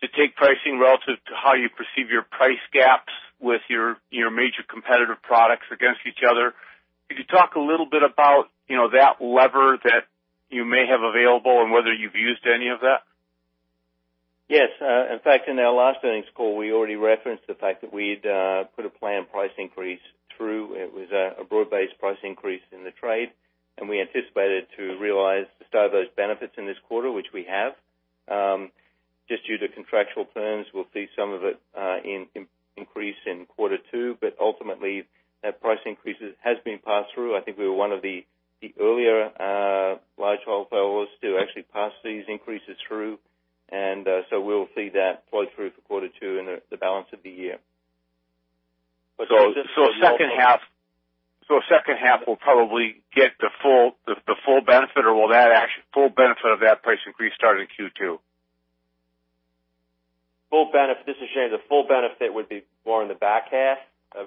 to take pricing relative to how you perceive your price gaps with your major competitive products against each other? Could you talk a little bit about that lever that you may have available and whether you've used any of that? Yes. In fact, in our last earnings call, we already referenced the fact that we'd put a planned price increase through. It was a broad-based price increase in the trade; we anticipated to realize the start of those benefits in this quarter, which we have. Just due to contractual terms, we'll see some of it increase in quarter two, but ultimately, that price increase has been passed through. I think we were one of the earlier large wholesalers to actually pass these increases through; we'll see that flow through for quarter two and the balance of the year. So second half, we'll probably get the full benefit, or will that full benefit of that price increase start in Q2? Full benefit. This is James. The full benefit would be more in the back half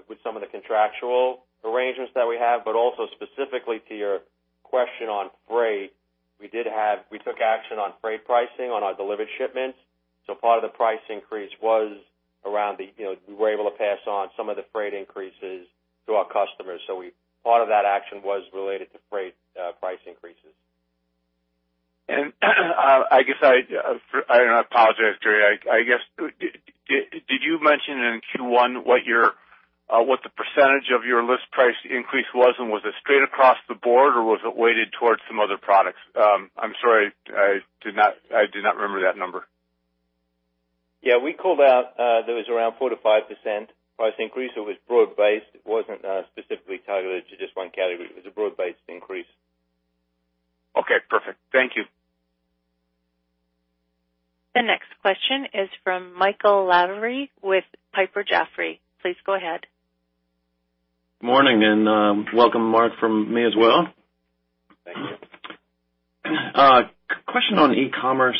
with some of the contractual arrangements that we have. Also specifically to your question on freight, we took action on freight pricing on our delivered shipments. Part of the price increase was around the, we were able to pass on some of the freight increases to our customers. Part of that action was related to freight price increases. I guess, I apologize, Gary. I guess, did you mention in Q1 what the percentage of your list price increase was, and was it straight across the board, or was it weighted towards some other products? I'm sorry. I did not remember that number. Yeah, we called out that it was around 4%-5% price increase. It was broad-based. It wasn't specifically targeted to just one category. It was a broad-based increase. Okay, perfect. Thank you. The next question is from Michael Lavery with Piper Jaffray. Please go ahead. Morning. Welcome, Mark, from me as well. Thank you. Question on e-commerce,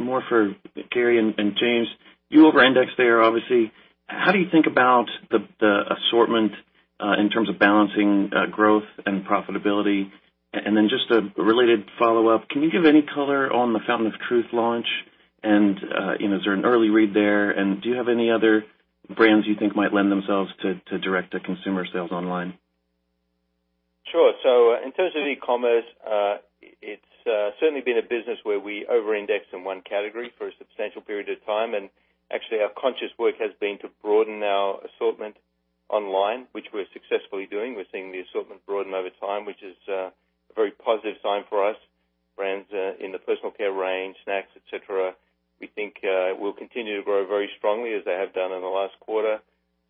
more for Gary Tickle and James Langrock. You over-indexed there, obviously. How do you think about the assortment in terms of balancing growth and profitability? Just a related follow-up, can you give any color on the Fountain of Truth launch? Is there an early read there, and do you have any other brands you think might lend themselves to direct-to-consumer sales online? Sure. In terms of e-commerce, it's certainly been a business where we over-indexed in one category for a substantial period of time. Actually, our conscious work has been to broaden our assortment online, which we're successfully doing. We're seeing the assortment broaden over time, which is a very positive sign for us. Brands in the personal care range, snacks, et cetera, we think, will continue to grow very strongly as they have done in the last quarter.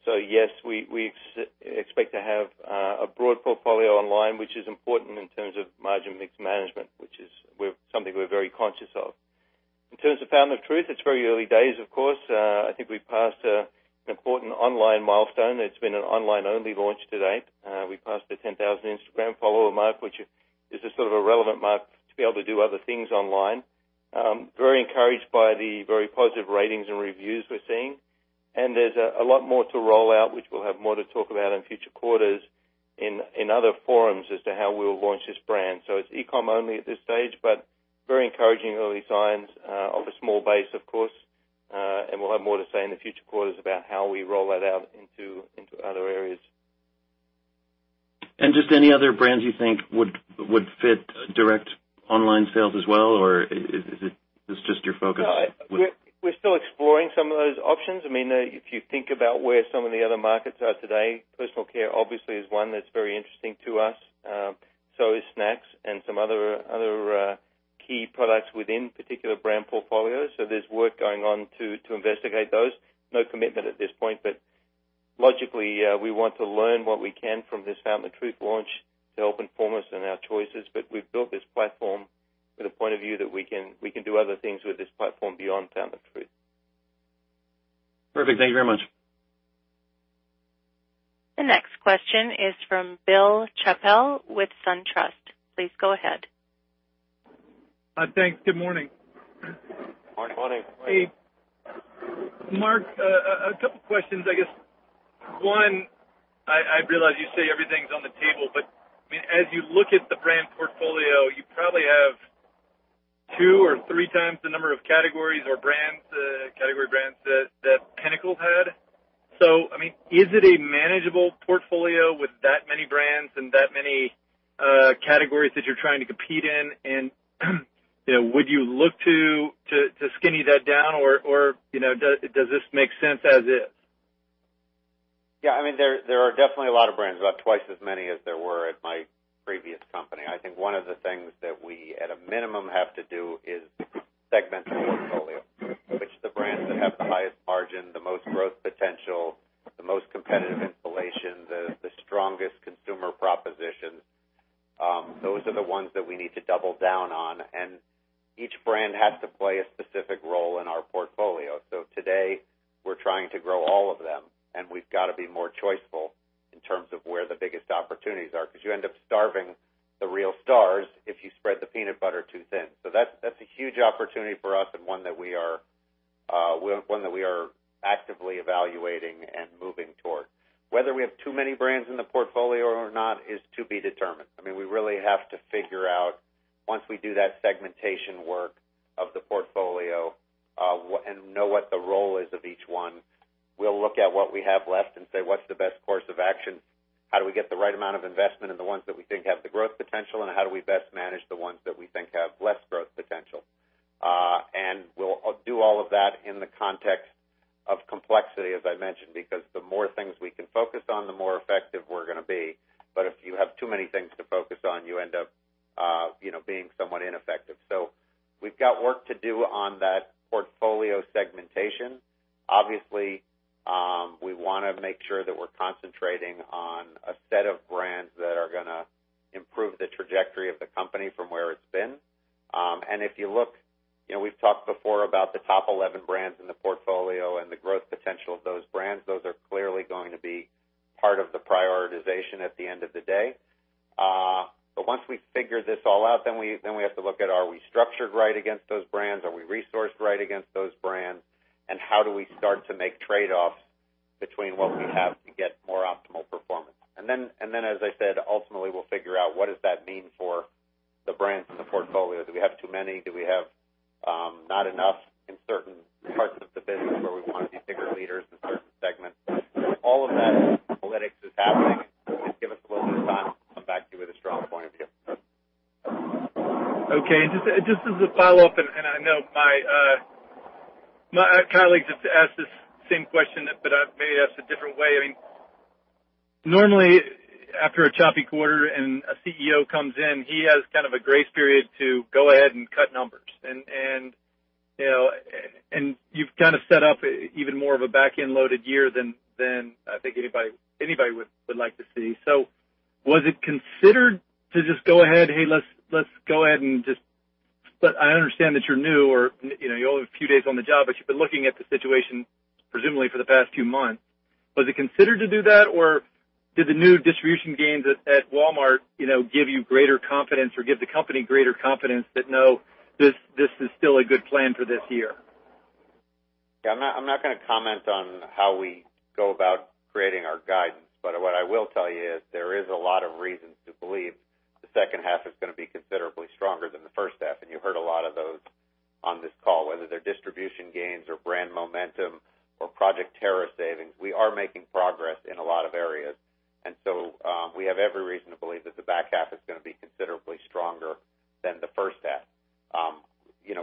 Yes, we expect to have a broad portfolio online, which is important in terms of margin mix management, which is something we're very conscious of. In terms of Fountain of Truth, it's very early days, of course. I think we've passed an important online milestone. It's been an online-only launch to date. We passed the 10,000 Instagram follower mark, which is a sort of a relevant mark to be able to do other things online. Very encouraged by the very positive ratings and reviews we're seeing. There's a lot more to roll out, which we'll have more to talk about in future quarters in other forums as to how we'll launch this brand. It's e-com only at this stage but very encouraging early signs of a small base, of course. We'll have more to say in the future quarters about how we roll that out into other areas. Just any other brands you think would fit direct online sales as well, or is it just your focus with- No, we're still exploring some of those options. If you think about where some of the other markets are today, personal care obviously is one that's very interesting to us, so is snacks and some other key products within particular brand portfolios. There's work going on to investigate those. No commitment at this point; logically, we want to learn what we can from this Fountain of Truth launch to help inform us in our choices. We've built this platform with a point of view that we can do other things with this platform beyond Fountain of Truth. Perfect. Thank you very much. The next question is from Bill Chappell with SunTrust. Please go ahead. Thanks. Good morning. Morning. Hey. Mark, a couple questions, I guess. One, I realize you say everything's on the table, but as you look at the brand portfolio, you probably have two or three times the number of categories or category brands that Pinnacle had. Is it a manageable portfolio with that many brands and that many categories that you're trying to compete in? Would you look to skinny that down or does this make sense as is? Yeah, there are definitely a lot of brands, about twice as many as there were at my previous company. I think one of the things that we, at a minimum, have to do is segment the portfolio. Which of the brands that have the highest margin, the most growth potential, the most competitive installation, the strongest consumer propositions? Those are the ones that we need to double down on, and each brand has to play a specific role in our portfolio. Today, we're trying to grow all of them, and we've got to be more choiceful in terms of where the biggest opportunities are, because you end up starving the real stars if you spread the peanut butter too thin. That's a huge opportunity for us and one that we are actively evaluating and moving toward. Whether we have too many brands in the portfolio or not is to be determined. We really have to figure out, once we do that segmentation work of the portfolio, and know what the role is of each one. We'll look at what we have left and say, what's the best course of action?" How do we get the right amount of investment in the ones that we think have the growth potential, and how do we best manage the ones that we think have less growth potential? We'll do all of that in the context of complexity, as I mentioned, because the more things we can focus on, the more effective we're going to be. If you have too many things to focus on, you end up being somewhat ineffective. We've got work to do on that portfolio segmentation. Obviously, we want to make sure that we're concentrating on a set of brands that are going to improve the trajectory of the company from where it's been. If you look, we've talked before about the top 11 brands in the portfolio and the growth potential of those brands. Those are clearly going to be part of the prioritization at the end of the day. Once we figure this all out, we have to look at are we structured right against those brands? Are we resourced right against those brands? How do we start to make trade-offs between what we have to get more optimal performance? As I said, ultimately, we'll figure out what does that means for the brands in the portfolio. Do we have too many? Do we have not enough in certain parts of the business where we want to be bigger leaders in certain segments? All of that analytics is happening. Just give us a little bit of time; we'll come back to you with a strong point of view. Okay. Just as a follow-up, I know my colleague just asked this same question, but I may ask a different way. Normally, after a choppy quarter and a CEO comes in, he has kind of a grace period to go ahead and cut numbers. You've kind of set up even more of a backend-loaded year than I think anybody would like to see. Was it considered to just go ahead, "Hey, let's go ahead and just"? I understand that you're new or you only have a few days on the job, but you've been looking at the situation presumably for the past two months. Was it considered to do that, or did the new distribution gains at Walmart give you greater confidence or give the company greater confidence that no, this is still a good plan for this year? Yeah, I'm not going to comment on how we go about creating our guidance. What I will tell you is there is a lot of reasons to believe the second half is going to be considerably stronger than the first half, and you heard a lot of those on this call, whether they're distribution gains or brand momentum or Project Terra savings. We are making progress in a lot of areas. We have every reason to believe that the back half is going to be considerably stronger than the first half.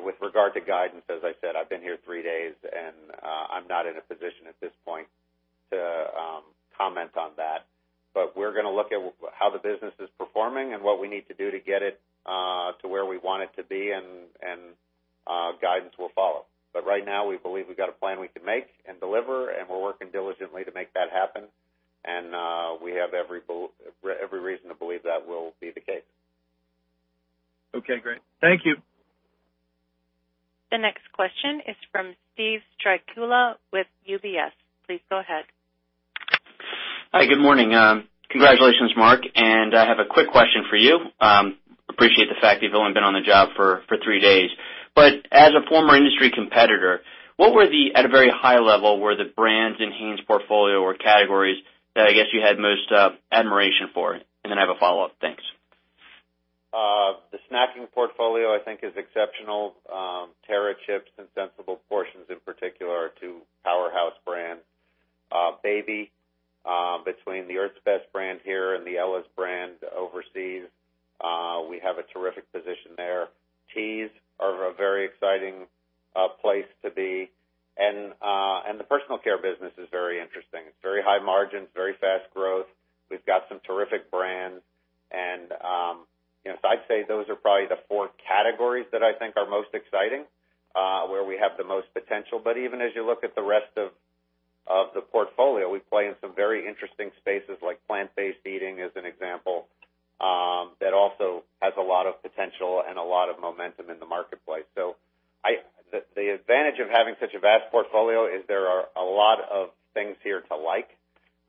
With regard to guidance, as I said, I've been here three days, and I'm not in a position at this point to comment on that. We're going to look at how the business is performing and what we need to do to get it to where we want it to be, and guidance will follow. Right now, we believe we've got a plan we can make and deliver, and we're working diligently to make that happen. We have every reason to believe that will be the case. Okay, great. Thank you. The next question is from Steven Strycula with UBS. Please go ahead. Hi, good morning. Congratulations, Mark, I have a quick question for you. Appreciate the fact that you've only been on the job for three days. As a former industry competitor, what were the, at a very high level, were the brands in Hain's portfolio or categories that I guess you had most admiration for? Then I have a follow-up. Thanks. The snacking portfolio, I think, is exceptional. Terra Chips and Sensible Portions in particular are two powerhouse brands. Baby, between the Earth's Best brand here and the Ella's brand overseas, we have a terrific position there. Teas are a very exciting place to be. The personal care business is very interesting. It's very high margins, very fast growth. We've got some terrific brands. So I'd say those are probably the four categories that I think are most exciting, where we have the most potential. Even as you look at the rest of the portfolio, we play in some very interesting spaces, like plant-based eating, as an example, also has a lot of potential and a lot of momentum in the marketplace. The advantage of having such a vast portfolio is there are a lot of things here to like.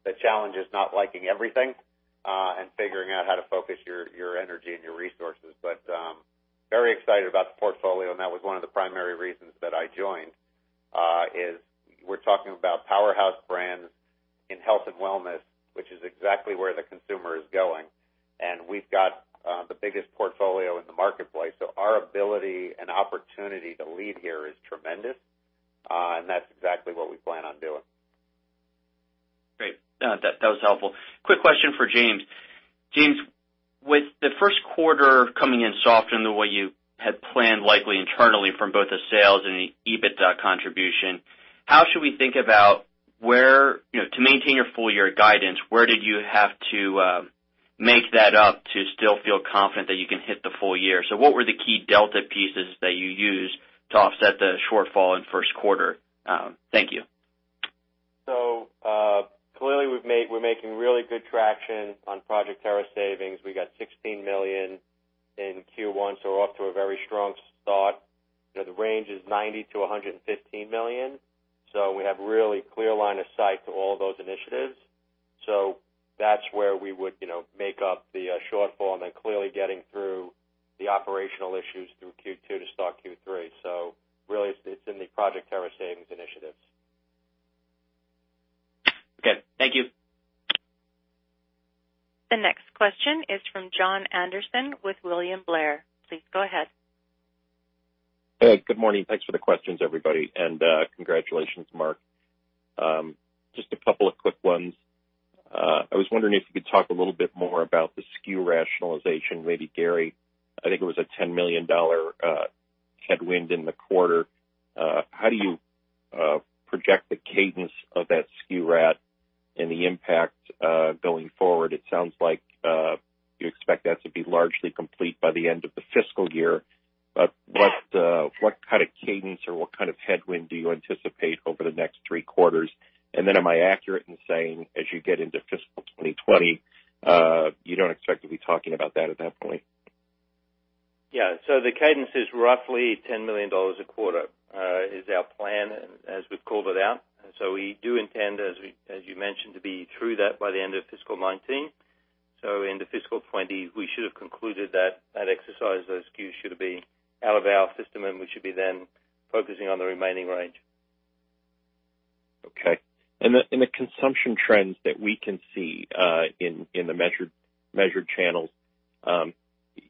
The challenge is not liking everything and figuring out how to focus your energy and your resources. Very excited about the portfolio, and that was one of the primary reasons that I joined, is we're talking about powerhouse brands in health and wellness, which is exactly where the consumer is going. We've got the biggest portfolio in the marketplace, so our ability and opportunity to lead here is tremendous. That's exactly what we plan on doing. Great. That was helpful. Quick question for James. James, with the first quarter coming in softer than what you had planned, likely internally from both the sales and the EBITDA contribution, how should we think about where, to maintain your full-year guidance, where did you have to make that up to still feel confident that you can hit the full year? What were the key delta pieces that you used to offset the shortfall in first quarter? Thank you. Clearly we're making really good traction on Project Terra savings. We got $16 million in Q1, so we're off to a very strong start. The range is $90 million to $115 million. We have really clear line of sight to all those initiatives. That's where we would make up the shortfall and then clearly getting through the operational issues through Q2 to start Q3. Really, it's in the Project Terra savings initiatives. Okay, thank you. The next question is from Jon Andersen with William Blair. Please go ahead. Hey, good morning. Thanks for the questions, everybody, and congratulations, Mark. Just a couple of quick ones. I was wondering if you could talk a little bit more about the SKU rationalization, maybe, Gary. I think it was a $10 million headwind in the quarter. How do you project the cadence of that SKU rationalization and the impact going forward? It sounds like you expect that to be largely complete by the end of the fiscal year. What kind of cadence or what kind of headwind do you anticipate over the next three quarters? Am I accurate in saying, as you get into fiscal 2020, you don't expect to be talking about that at that point? Yeah. The cadence is roughly $10 million a quarter, is our plan and as we've called it out. We do intend, as you mentioned, to be through that by the end of fiscal 2019. Into fiscal 2020, we should have concluded that exercise. Those SKUs should be out of our system, and we should be then focusing on the remaining range. Okay. In the consumption trends that we can see in the measured channels,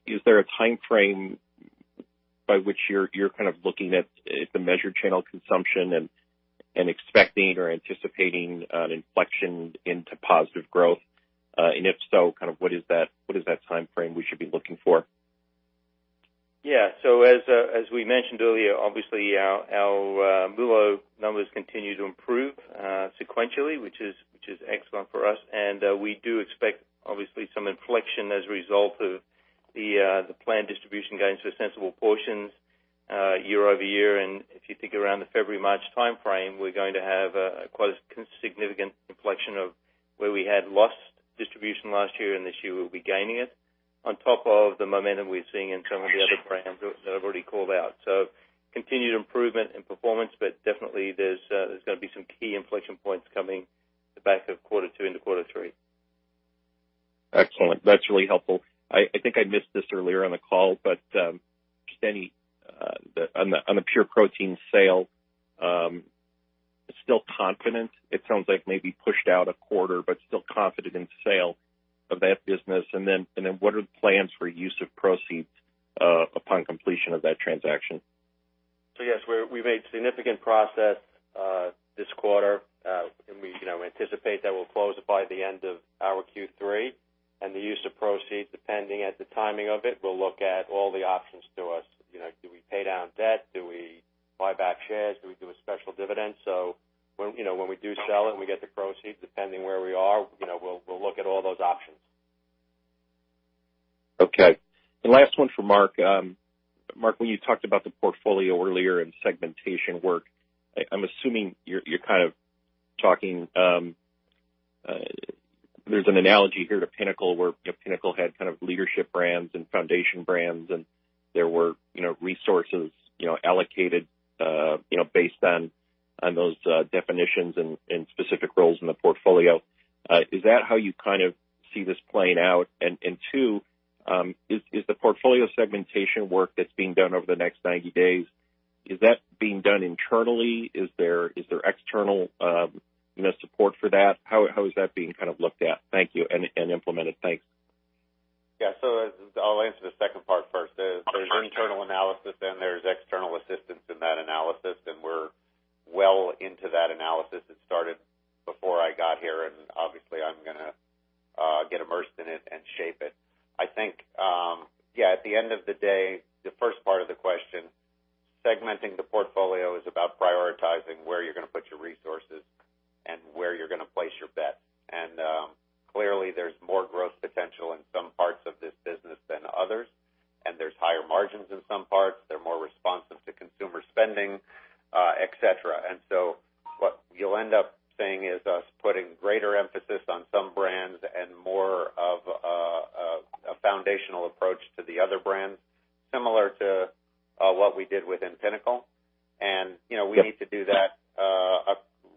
is there a timeframe by which you're kind of looking at the measured channel consumption and expecting or anticipating an inflection into positive growth? If so, what is that timeframe we should be looking for? As we mentioned earlier, obviously our MULO numbers continue to improve sequentially, which is excellent for us. We do expect obviously some inflection as a result of the planned distribution going to Sensible Portions year-over-year. If you think around the February, March timeframe, we're going to have quite a significant inflection of where we had lost distribution last year, and this year we'll be gaining it on top of the momentum we're seeing in some of the other brands that I've already called out. Continued improvement in performance, but definitely there's going to be some key inflection points coming the back of quarter two into quarter three. Excellent. That's really helpful. I think I missed this earlier on the call, on the Pure Protein sale, still confident? It sounds like maybe pushed out a quarter, but still confident in sale of that business. Then what are the plans for use of proceeds upon completion of that transaction? Yes, we made significant progress this quarter. We anticipate that we'll close it by the end of our Q3. The use of proceeds, depending on the timing of it, we'll look at all the options to us. Do we pay down debt? Do we buy back shares? Do we do a special dividend? When we do sell it and we get the proceeds, depending where we are, we'll look at all those options. Last one for Mark. Mark, when you talked about the portfolio earlier and segmentation work, I'm assuming you're kind of talking. There's an analogy here to Pinnacle, where Pinnacle had kind of leadership brands and foundation brands, and there were resources allocated based on those definitions and specific roles in the portfolio. Is that how you kind of see this playing out? Two is the portfolio segmentation work that's being done over the next 90 days, is that being done internally? Is there external support for that? How is that being kind of looked at? Thank you. Implemented. Thanks. I'll answer the second part first. Sure. There's internal analysis, then there's external assistance in that analysis, and we're well into that analysis. It started before I got here, and obviously I'm going to get immersed in it and shape it. I think, yeah, at the end of the day, the first part of the question, segmenting the portfolio, is about prioritizing where you're going to put your resources and where you're going to place your bet. Clearly there's more growth potential in some parts of this business than others, and there's higher margins in some parts. They're more responsive to consumer spending, et cetera. What you'll end up seeing is us putting greater emphasis on some brands and more of a foundational approach to the other brands, similar to what we did within Pinnacle. We need to do that.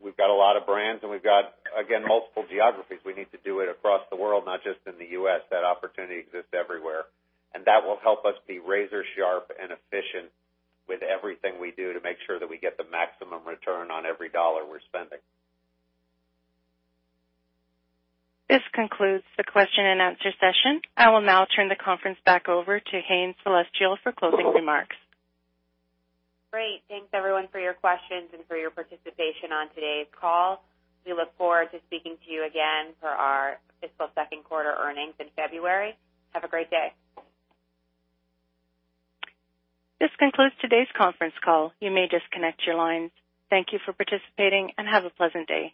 We've got a lot of brands and we've got, again, multiple geographies. We need to do it across the world, not just in the U.S. That opportunity exists everywhere. That will help us be razor sharp and efficient with everything we do to make sure that we get the maximum return on every dollar we're spending. This concludes the question and answer session. I will now turn the conference back over to Hain Celestial for closing remarks. Great. Thanks, everyone, for your questions and for your participation on today's call. We look forward to speaking to you again for our fiscal second quarter earnings in February. Have a great day. This concludes today's conference call. You may disconnect your lines. Thank you for participating and have a pleasant day.